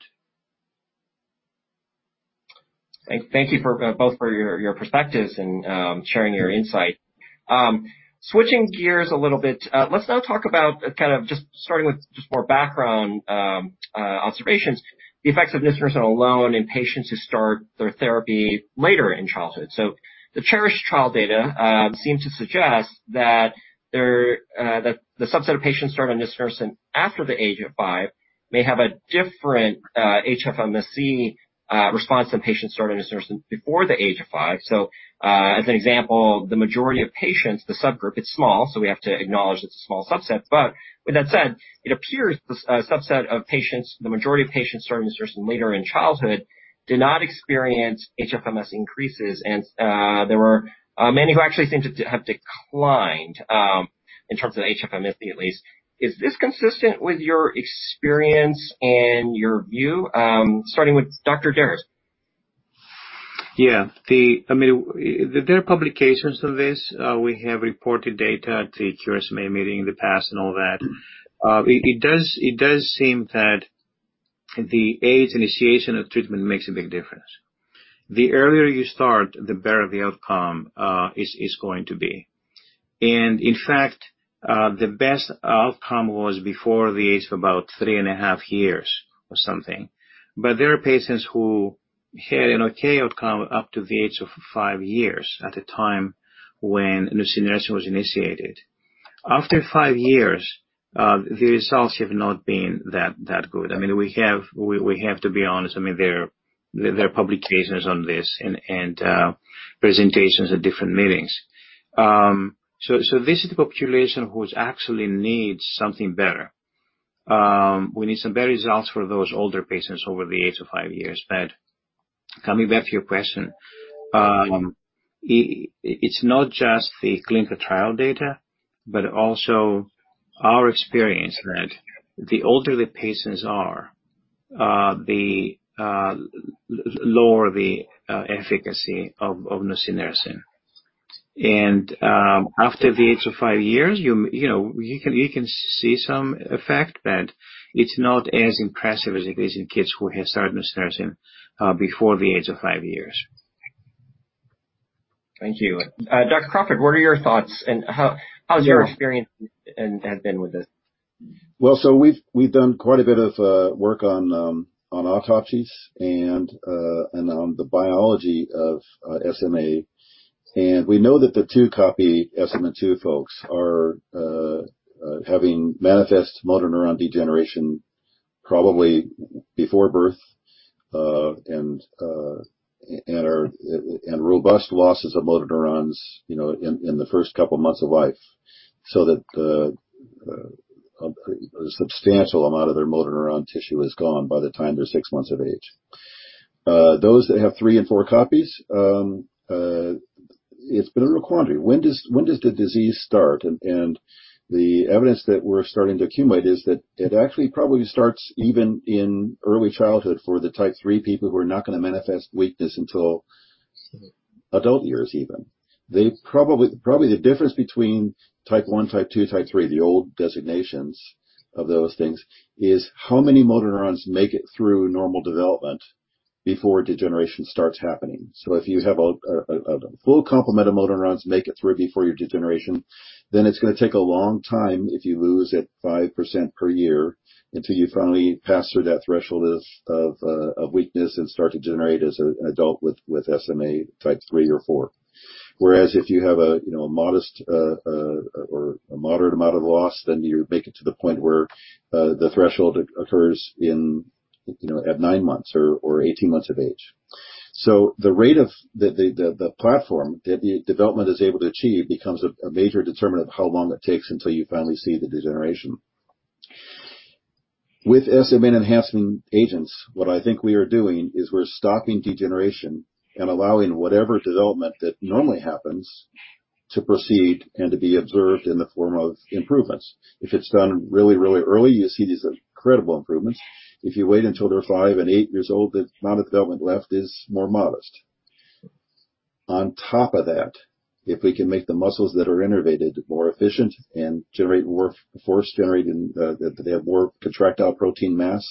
Thank you both for your perspectives and sharing your insight. Switching gears a little bit, let's now talk about just starting with more background observations, the effects of nusinersen alone in patients who start their therapy later in childhood. The CHERISH trial data seem to suggest that the subset of patients starting nusinersen after the age of five may have a different HFMS response to patients starting nusinersen before the age of five. As an example, the majority of patients, the subgroup is small, so we have to acknowledge it's a small subset. With that said, it appears the subset of patients, the majority of patients starting nusinersen later in childhood did not experience HFMS increases, and many who actually seem to have declined in terms of HFMS, at least. Is this consistent with your experience and your view? Starting with Dr. Darras. Yeah. There are publications on this. We have reported data at the SMA meeting in the past and all that. It does seem that the age initiation of treatment makes a big difference. The earlier you start, the better the outcome is going to be. In fact, the best outcome was before the age of about three and a half years or something. There are patients who had an okay outcome up to the age of five years at the time when nusinersen was initiated. After five years, the results have not been that good. We have to be honest, there are publications on this and presentations at different meetings. This is the population who actually needs something better. We need some better results for those older patients over the age of five years. Coming back to your question, it's not just the clinical trial data, but also our experience that the older the patients are, the lower the efficacy of nusinersen. After the age of five years, you can see some effect that it's not as impressive as it is in kids who have started nusinersen before the age of five years. Thank you. Dr. Crawford, what are your thoughts and how's your experience been with this? Well, we've done quite a bit of work on autopsies and on the biology of SMA. We know that the two copy SMN2 folks are having manifest motor neuron degeneration probably before birth, and robust losses of motor neurons in the first couple months of life, so that a substantial amount of their motor neuron tissue is gone by the time they're six months of age. Those that have three and four copies, it's a real quandary. When does the disease start? The evidence that we're starting to accumulate is that it actually probably starts even in early childhood for the Type 3 people who are not going to manifest weakness until adult years even. Probably the difference between Type 1, Type 2, Type 3, the old designations of those things, is how many motor neurons make it through normal development before degeneration starts happening. If you have a full complement of motor neurons make it through before your degeneration, then it's going to take a long time if you lose it 5% per year until you finally pass through that threshold of weakness and start to degenerate as an adult with SMA Type 3 or 4. If you have a modest or a moderate amount of loss, then you make it to the point where the threshold occurs at nine months or 18 months of age. The rate of the platform that development is able to achieve becomes a major determinant of how long it takes until you finally see the degeneration. With SMA enhancement agents, what I think we are doing is we're stopping degeneration and allowing whatever development that normally happens to proceed and to be observed in the form of improvements. If it's done really, really early, you see these incredible improvements. If you wait until they're five and eight years old, the amount of development left is more modest. On top of that, if we can make the muscles that are innervated more efficient and generate more force, generate more contractile protein mass,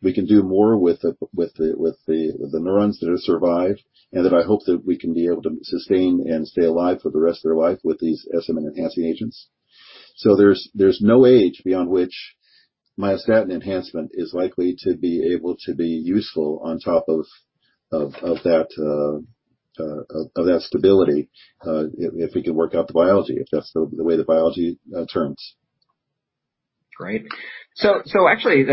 we can do more with the neurons that have survived, and that I hope that we can be able to sustain and stay alive for the rest of their life with these SMA enhancing agents. There's no age beyond which myostatin enhancement is likely to be able to be useful on top of that stability if we can work out the biology, if that's the way the biology turns. Great. Actually,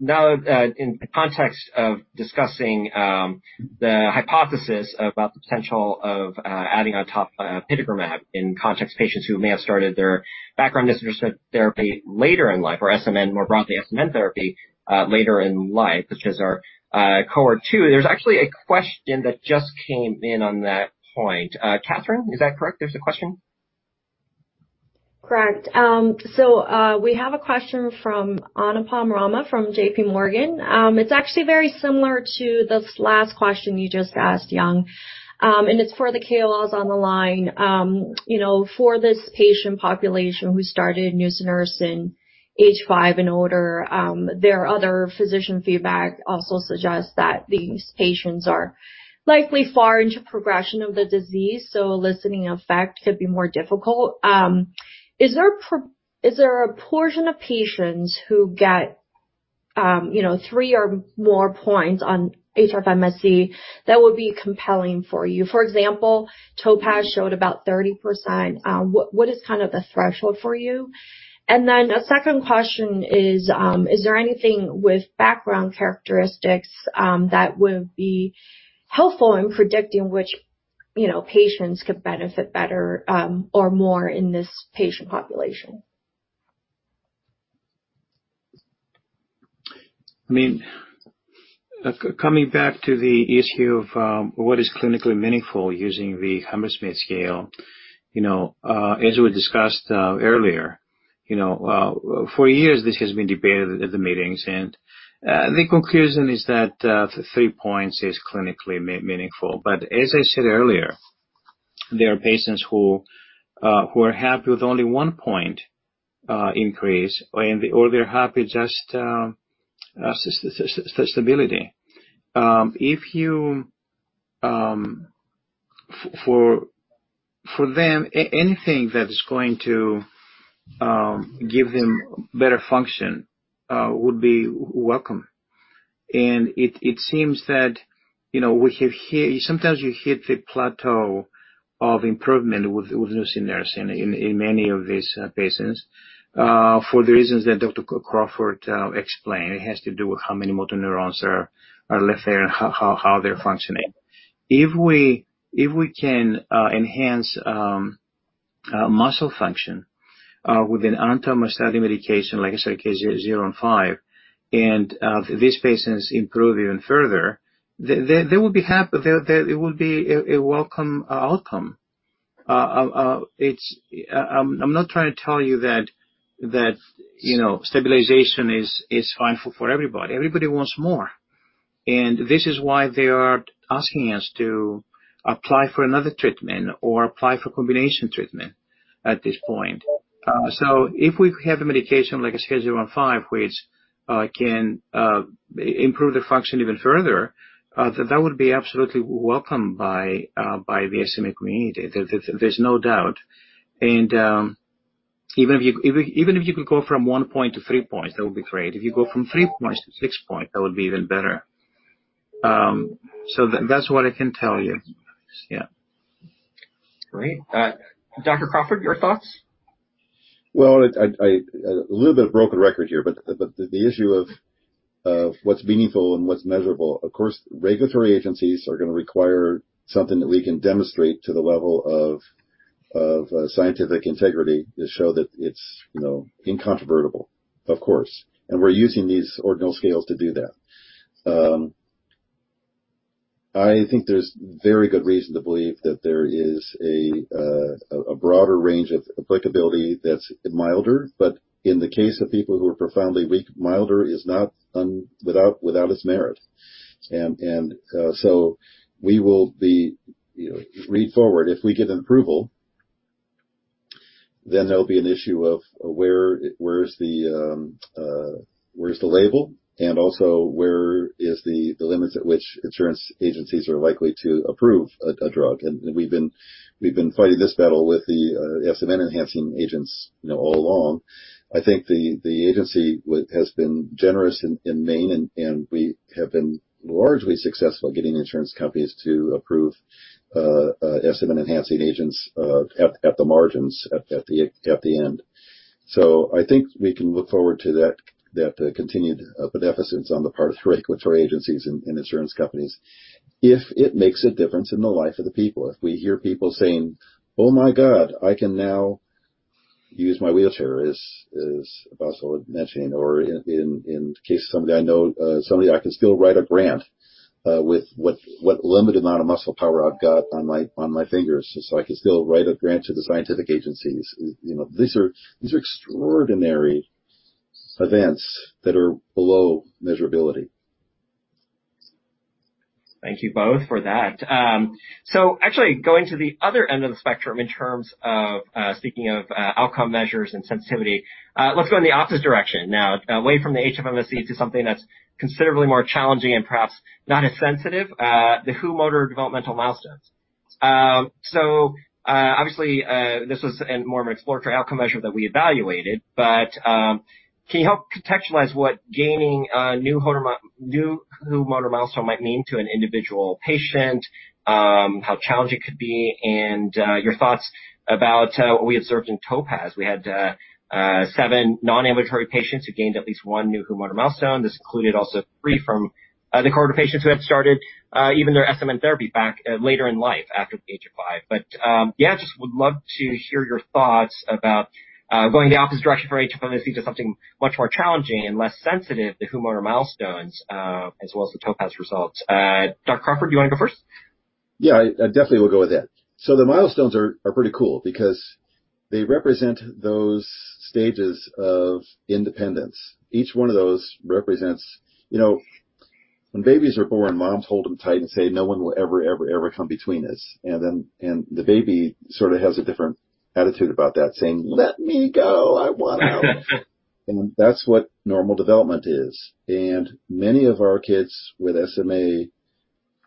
now that in the context of discussing the hypothesis about the potential of adding on top in context patients who may have started their background therapy later in life, or SMN, more broadly SMN therapy later in life, which is our Cohort 2. There's actually a question that just came in on that point. Catherine, is that correct? There's a question? Correct. We have a question from Anupam Rama from JPMorgan. It's actually very similar to this last question you just asked, Yung. It's for the KOLs on the line. For this patient population who started nusinersen age five and older, their other physician feedback also suggests that these patients are likely far into progression of the disease, so eliciting effect could be more difficult. Is there a portion of patients who get 3 or more points on HFMSE that would be compelling for you? For example, TOPAZ showed about 30%. What is kind of a threshold for you? A second question is: is there anything with background characteristics that would be helpful in predicting which patients could benefit better or more in this patient population? Coming back to the issue of what is clinically meaningful using the Hammersmith Scale, as we discussed earlier, for years this has been debated at the meetings. The conclusion is that 3-points is clinically meaningful. As I said earlier, there are patients who are happy with only 1-point increase, or they're happy just stability. For them, anything that's going to give them better function would be welcome. It seems that sometimes you hit a plateau of improvement with nusinersen in many of these patients. For the reasons that Dr. Crawford explained, it has to do with how many motor neurons are left there and how they're functioning. If we can enhance muscle function with an anti-muscular medication like SRK-015, and these patients improve even further, they will be happy. It will be a welcome outcome. I'm not trying to tell you that stabilization is fine for everybody. Everybody wants more. This is why they are asking us to apply for another treatment or apply for combination treatment at this point. If we had a medication like SRK-015, which can improve the function even further, that would be absolutely welcome by the SMA community. There's no doubt. Even if you could go from 1-point to 3-points, that would be great. If you go from 3-points to 6-points, that would be even better. That's what I can tell you. Yeah. Great. Dr. Crawford, your thoughts? A little bit of broken record here, but the issue of what's meaningful and what's measurable. Of course, regulatory agencies are going to require something that we can demonstrate to the level of scientific integrity to show that it's incontrovertible. Of course. We're using these ordinal scales to do that. I think there's very good reason to believe that there is a broader range of applicability that's milder. In the case of people who are profoundly weak, milder is not without its merit. We will be read forward. If we get approval, there'll be an issue of where's the label and also where is the limits at which insurance agencies are likely to approve a drug. We've been fighting this battle with the SMN enhancing agents all along. I think the agency has been generous in the main, and we have been largely successful getting insurance companies to approve SMN enhancing agents at the margins at the end. I think we can look forward to that continued beneficence on the part of regulatory agencies and insurance companies. If it makes a difference in the life of the people. If we hear people saying, "Oh my God, I can now use my wheelchair," as Dr. Darras mentioned, or in case somebody I know, "I can still write a grant with what limited amount of muscle power I've got on my fingers. I can still write a grant to the scientific agencies." These are extraordinary events that are below measurability. Thank you both for that. Actually going to the other end of the spectrum in terms of speaking of outcome measures and sensitivity, let's go in the opposite direction now, away from the HFMSE to something that's considerably more challenging and perhaps not as sensitive, the WHO motor developmental milestones. Obviously, this was a more exploratory outcome measure that we evaluated. Can you help contextualize what gaining a new WHO milestone might mean to an individual patient? How challenging it could be, and your thoughts about what we observed in TOPAZ. We had seven non-ambulatory patients who gained at least one new WHO milestone. This included also three from the Cohort of patients who had started even their SMA therapy back later in life after the age of five. Yeah, just would love to hear your thoughts about going the opposite direction for age, something much more challenging and less sensitive, the WHO motor developmental milestones, as well as the TOPAZ results. Dr. Crawford, do you want to go first? Yeah, I definitely would go with that. The milestones are pretty cool because they represent those stages of independence. Each one of those represents, when babies are born, moms hold them tight and say, "No one will ever, ever come between us." The baby sort of has a different attitude about that, saying, "Let me go. I want out." That's what normal development is. Many of our kids with SMA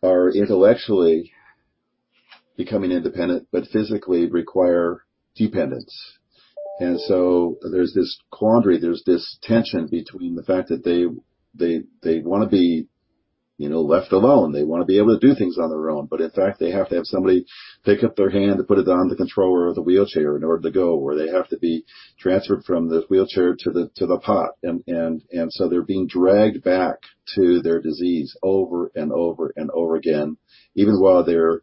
are intellectually becoming independent, but physically require dependence. There's this quandary, there's this tension between the fact that they want to be left alone. They want to be able to do things on their own. In fact, they have to have somebody pick up their hand and put it on the controller of the wheelchair in order to go, or they have to be transferred from the wheelchair to the pot. They're being dragged back to their disease over and over and over again, even while their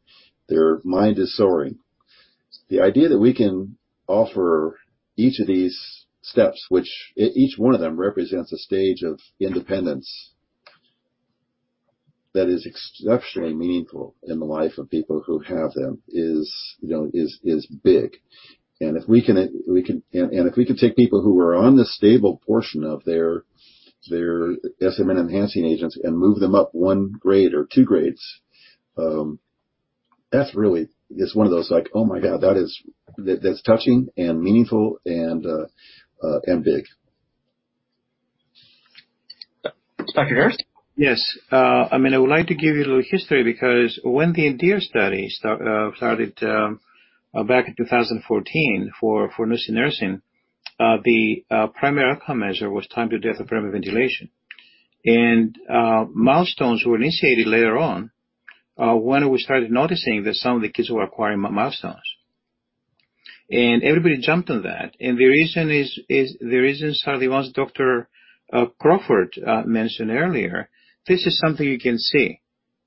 mind is soaring. The idea that we can offer each of these steps, which each one of them represents a stage of independence that is extraordinarily meaningful in the life of people who have them is big. If we can take people who are on the stable portion of their SMA enhancing agents and move them up 1 grade or 2 grades, that really is one of those, like, oh, my God, that's touching and meaningful and big. Dr. Darras. Yes. I would like to give you a little history because when the ENDEAR study started back in 2014 for nusinersen, the primary outcome measure was time to death or ventilation. Milestones were initiated later on when we started noticing that some of the kids were acquiring milestones. Everybody jumped on that. The reason is the reasons are the ones Dr. Crawford mentioned earlier. This is something you can see.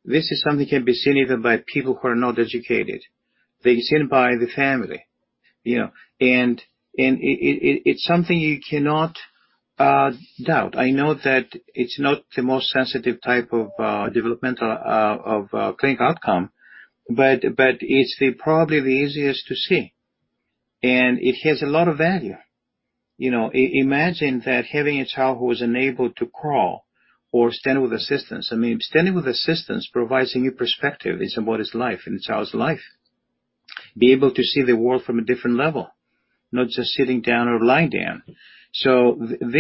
This is something that can be seen even by people who are not educated. They're seen by the family. It's something you cannot doubt. I know that it's not the most sensitive Type of developmental of clinical outcome, but it's probably the easiest to see, and it has a lot of value. Imagine that having a child who was unable to crawl or stand with assistance. Standing with assistance provides a new perspective in somebody's life, in a child's life. Be able to see the world from a different level, not just sitting down or lying down. The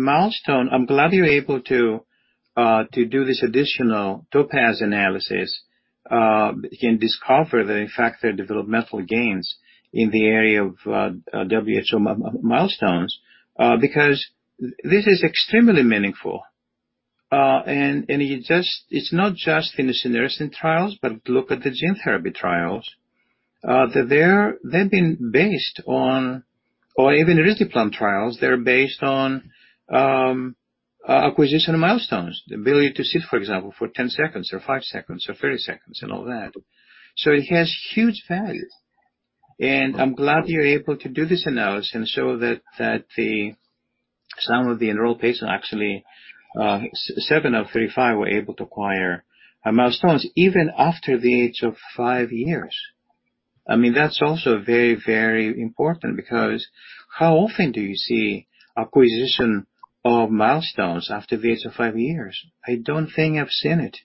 milestone, I'm glad you were able to do this additional TOPAZ analysis and discover that in fact, there are developmental gains in the area of WHO milestones, because this is extremely meaningful. It's not just in the nusinersen trials, but look at the gene therapy trials. Or even risdiplam trials, they're based on acquisition of milestones, the ability to sit, for example, for 10 seconds or five seconds or 30 seconds and all that. It has huge value. I'm glad you're able to do this analysis and show that some of the enrolled patients, actually 7 of 35, were able to acquire milestones even after the age of five years. That's also very, very important because how often do you see acquisition of milestones after the age of five years? I don't think I've seen it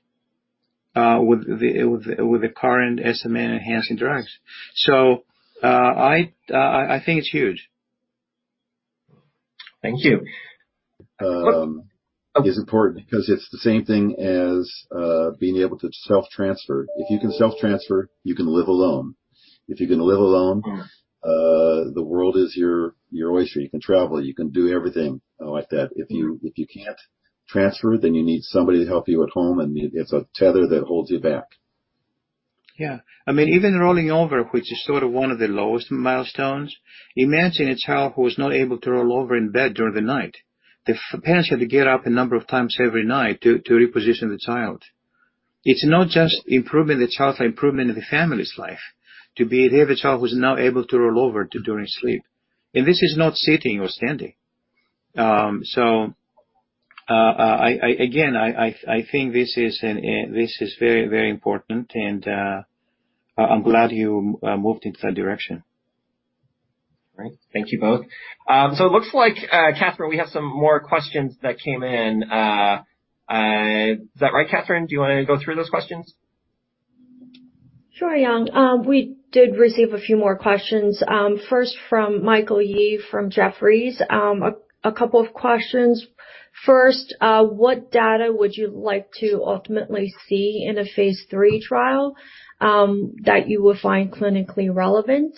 with the current SMA enhancing drugs. I think it's huge. Thank you. It's important because it's the same thing as being able to self-transfer. If you can self-transfer, you can live alone. If you can live alone, the world is your oyster. You can travel. You can do everything like that. If you can't transfer, then you need somebody to help you at home, and it's a tether that holds you back. Yeah. Even rolling over, which is sort of one of the lowest milestones, imagine a child who was not able to roll over in bed during the night. The parents had to get up a number of times every night to reposition the child. It's not just improving the child, it's improving the family's life to be able to have a child who's now able to roll over during sleep. This is not sitting or standing. Again, I think this is very, very important, and I'm glad you moved in that direction. All right. Thank you both. It looks like, Catherine, we have some more questions that came in. Is that right, Catherine? Do you want to go through those questions? Sure, Yung. We did receive a few more questions. First from Michael Yee from Jefferies. A couple of questions. First, what data would you like to ultimately see in a phase III trial that you would find clinically relevant?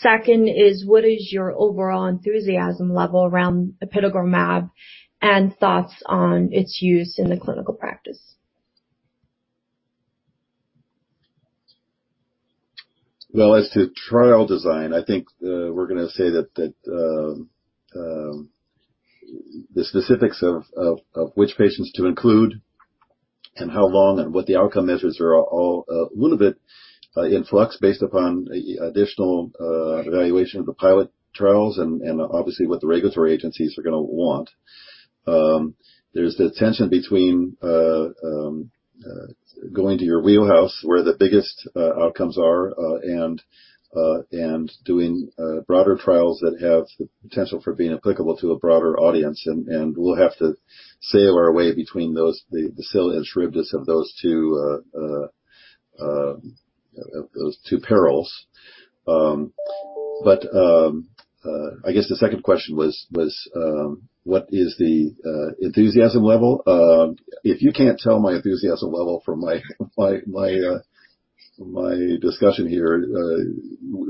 Second is what is your overall enthusiasm level around apitegromab and thoughts on its use in a clinical practice? Well, as to trial design, I think we're going to say that the specifics of which patients to include and how long and what the outcome measures are all a little bit in flux based upon additional evaluation of the pilot trials and obviously what the regulatory agencies are going to want. There's the tension between going to your wheelhouse, where the biggest outcomes are, and doing broader trials that have the potential for being applicable to a broader audience. We'll have to sail our way between the Scylla and Charybdis of those two perils. I guess the second question was what is the enthusiasm level? If you can't tell my enthusiasm level from my discussion here,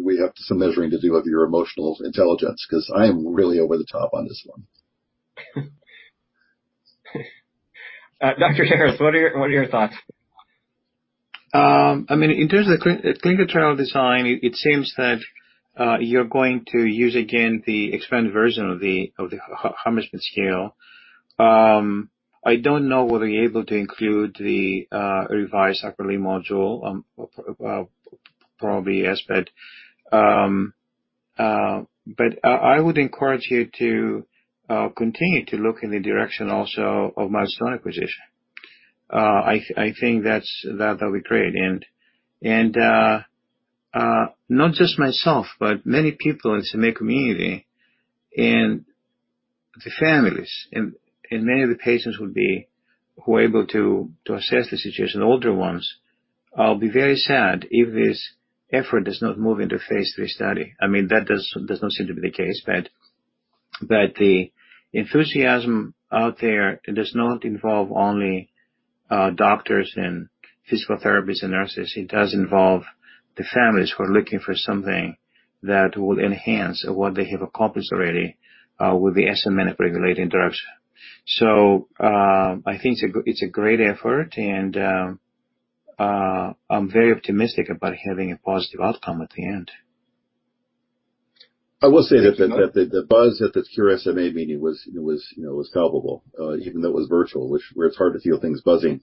we have some measuring to do of your emotional intelligence because I am really over the top on this one. Dr. Darras, what are your thoughts? In terms of clinical trial design, it seems that you're going to use, again, the expanded version of the Hammersmith Scale. I don't know whether you're able to include the Revised Upper Limb Module, probably yes. I would encourage you to continue to look in the direction also of muscle acquisition. I think that'll be great. Not just myself, but many people in the SMA community and the families and many of the patients who are able to assess the situation, older ones, will be very sad if this effort does not move into a phase III study. That does not seem to be the case. The enthusiasm out there does not involve only doctors and physical therapists and nurses. It does involve the families who are looking for something that will enhance what they have accomplished already with the SMN upregulating drugs. I think it's a great effort, and I'm very optimistic about having a positive outcome at the end. I will say that the buzz at the Cure SMA meeting was palpable. Even though it was virtual, where it is hard to feel things buzzing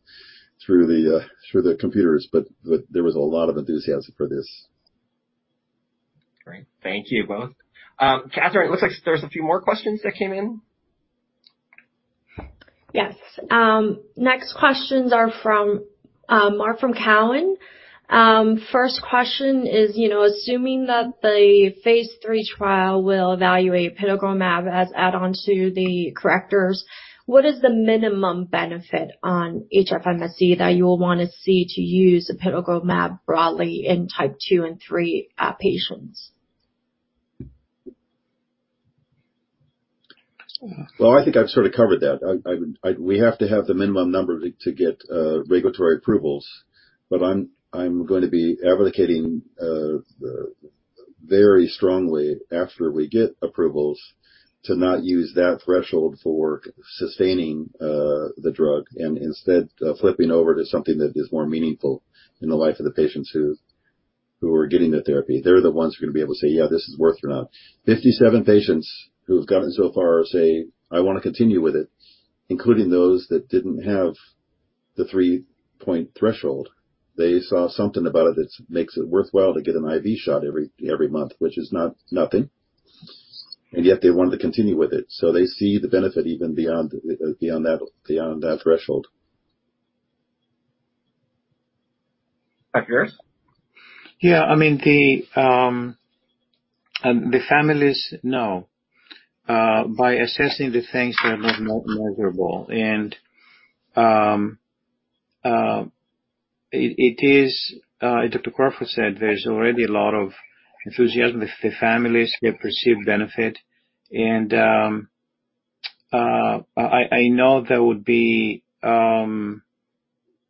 through the computers, but there was a lot of enthusiasm for this. Great. Thank you both. Catherine, it looks like there's a few more questions that came in. Yes. Next questions are from Callan. First question is, assuming that the phase III trial will evaluate apitegromab as add-on to the correctors, what is the minimum benefit on HFMSE that you'll want to see to use apitegromab broadly in Type 2 and Type 3 patients? I think I've sort of covered that. We have to have the minimum number to get regulatory approvals. I'm going to be advocating very strongly after we get approvals to not use that threshold for sustaining the drug and instead flipping over to something that is more meaningful in the life of the patients who are getting the therapy. They're the ones who are going to be able to say, "Yeah, this is worth it or not." 57 patients who have gotten so far say, "I want to continue with it," including those that didn't have the 3-point threshold. They saw something about it that makes it worthwhile to get an IV shot every month, which is not nothing. Yet they want to continue with it. They see the benefit even beyond that threshold. Dr. Darras? Yeah. The families know by assessing the things that are not measurable. It is, Dr. Crawford said there's already a lot of enthusiasm with the families who have perceived benefit. I know there would be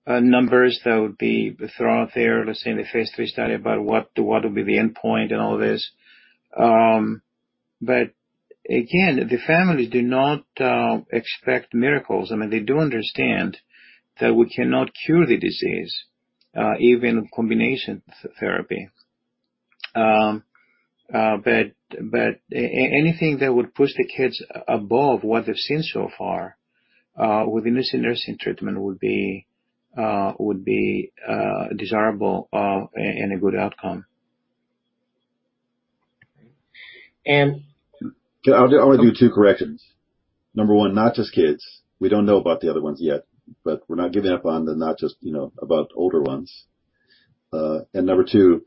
numbers that would be thrown out there, let's say, in the phase III study about what will be the endpoint and all this. Again, the families do not expect miracles. They do understand that we cannot cure the disease, even in combination therapy. Anything that would push the kids above what they've seen so far with the nusinersen treatment would be desirable and a good outcome. And- I'll give two corrections. Number one, not just kids. We don't know about the other ones yet, but we're not giving up on the not just about older ones. Number two,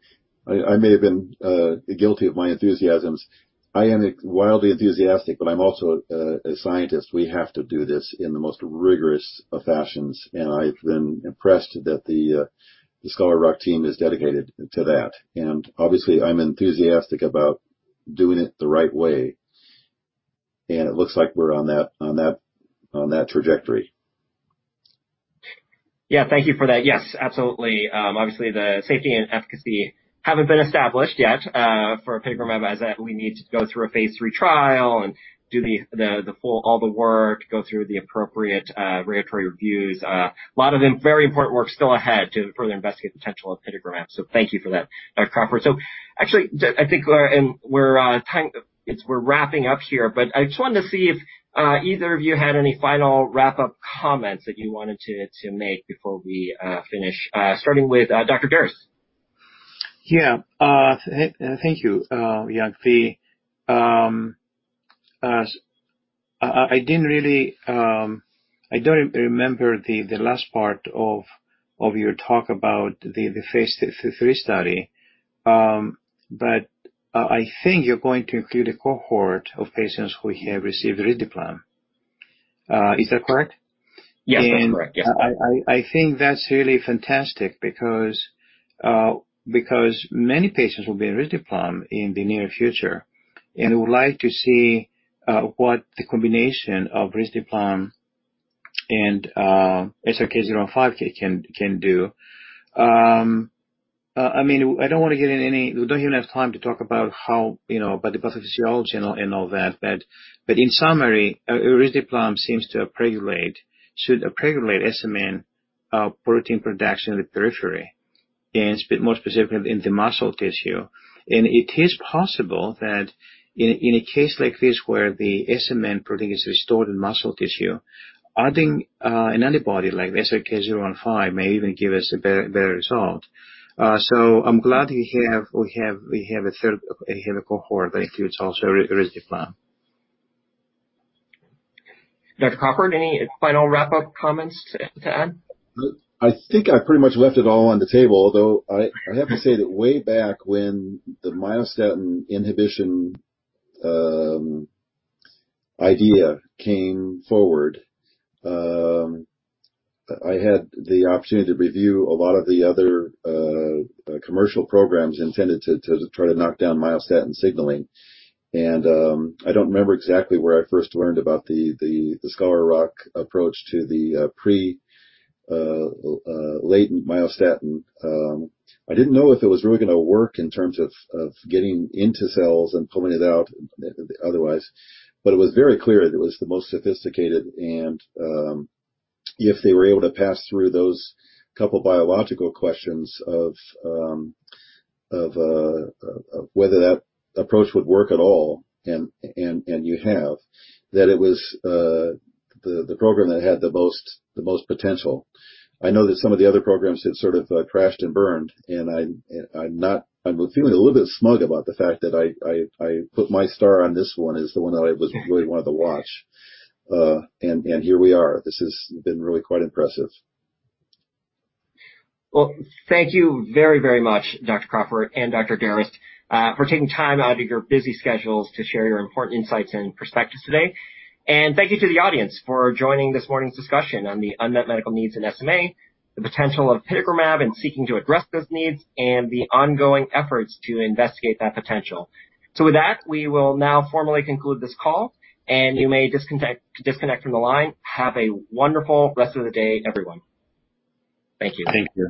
I may have been guilty of my enthusiasms. I am wildly enthusiastic, but I'm also a scientist. We have to do this in the most rigorous of fashions, I've been impressed that the Scholar Rock team is dedicated to that. Obviously, I'm enthusiastic about doing it the right way. It looks like we're on that trajectory. Yeah, thank you for that. Yes, absolutely. Obviously, the safety and efficacy haven't been established yet for apitegromab as that we need to go through a phase III trial and do all the work, go through the appropriate regulatory reviews. A lot of very important work still ahead to further investigate the potential of apitegromab. Thank you for that, Dr. Crawford. Actually, I think we're wrapping up here, but I just wanted to see if either of you had any final wrap-up comments that you wanted to make before we finish, starting with Dr. Darras. Yeah. Thank you, Yung. I don't remember the last part of your talk about the phase III study, but I think you're going to include a Cohort of patients who have received risdiplam. Is that correct? Yeah, that's correct. I think that's really fantastic because many patients will be on risdiplam in the near future, and would like to see what the combination of risdiplam and SRK-015 can do. We don't have enough time to talk about the pathophysiology and all that, but in summary, risdiplam seems to up-regulate SMN protein production in the periphery, and more specifically in the muscle tissue. It is possible that in a case like this where the SMN protein is restored in muscle tissue, adding an antibody like SRK-015 may even give us a better result. I'm glad we have a Cohort that includes also risdiplam. Dr. Crawford, any final wrap-up comments to add? I think I pretty much left it all on the table, although I have to say that way back when the myostatin inhibition idea came forward, I had the opportunity to review a lot of the other commercial programs intended to try to knock down myostatin signaling. I did not remember exactly where I first learned about the Scholar Rock approach to the pro-latent myostatin. I didn't know if it was really going to work in terms of getting into cells and pulling it out otherwise, but it was very clear that it was the most sophisticated and if they were able to pass through those couple biological questions of whether that approach would work at all and you have, that it was the program that had the most potential. I know that some of the other programs had sort of crashed and burned, and I'm feeling a little bit smug about the fact that I put my star on this one as the one that I really wanted to watch. Here we are. This has been really quite impressive. Well, thank you very much, Dr. Crawford and Dr. Darras, for taking time out of your busy schedules to share your important insights and perspectives today. Thank you to the audience for joining this morning's discussion on the unmet medical needs in SMA, the potential of apitegromab in seeking to address those needs, and the ongoing efforts to investigate that potential. With that, we will now formally conclude this call, and you may disconnect from the line. Have a wonderful rest of the day, everyone. Thank you.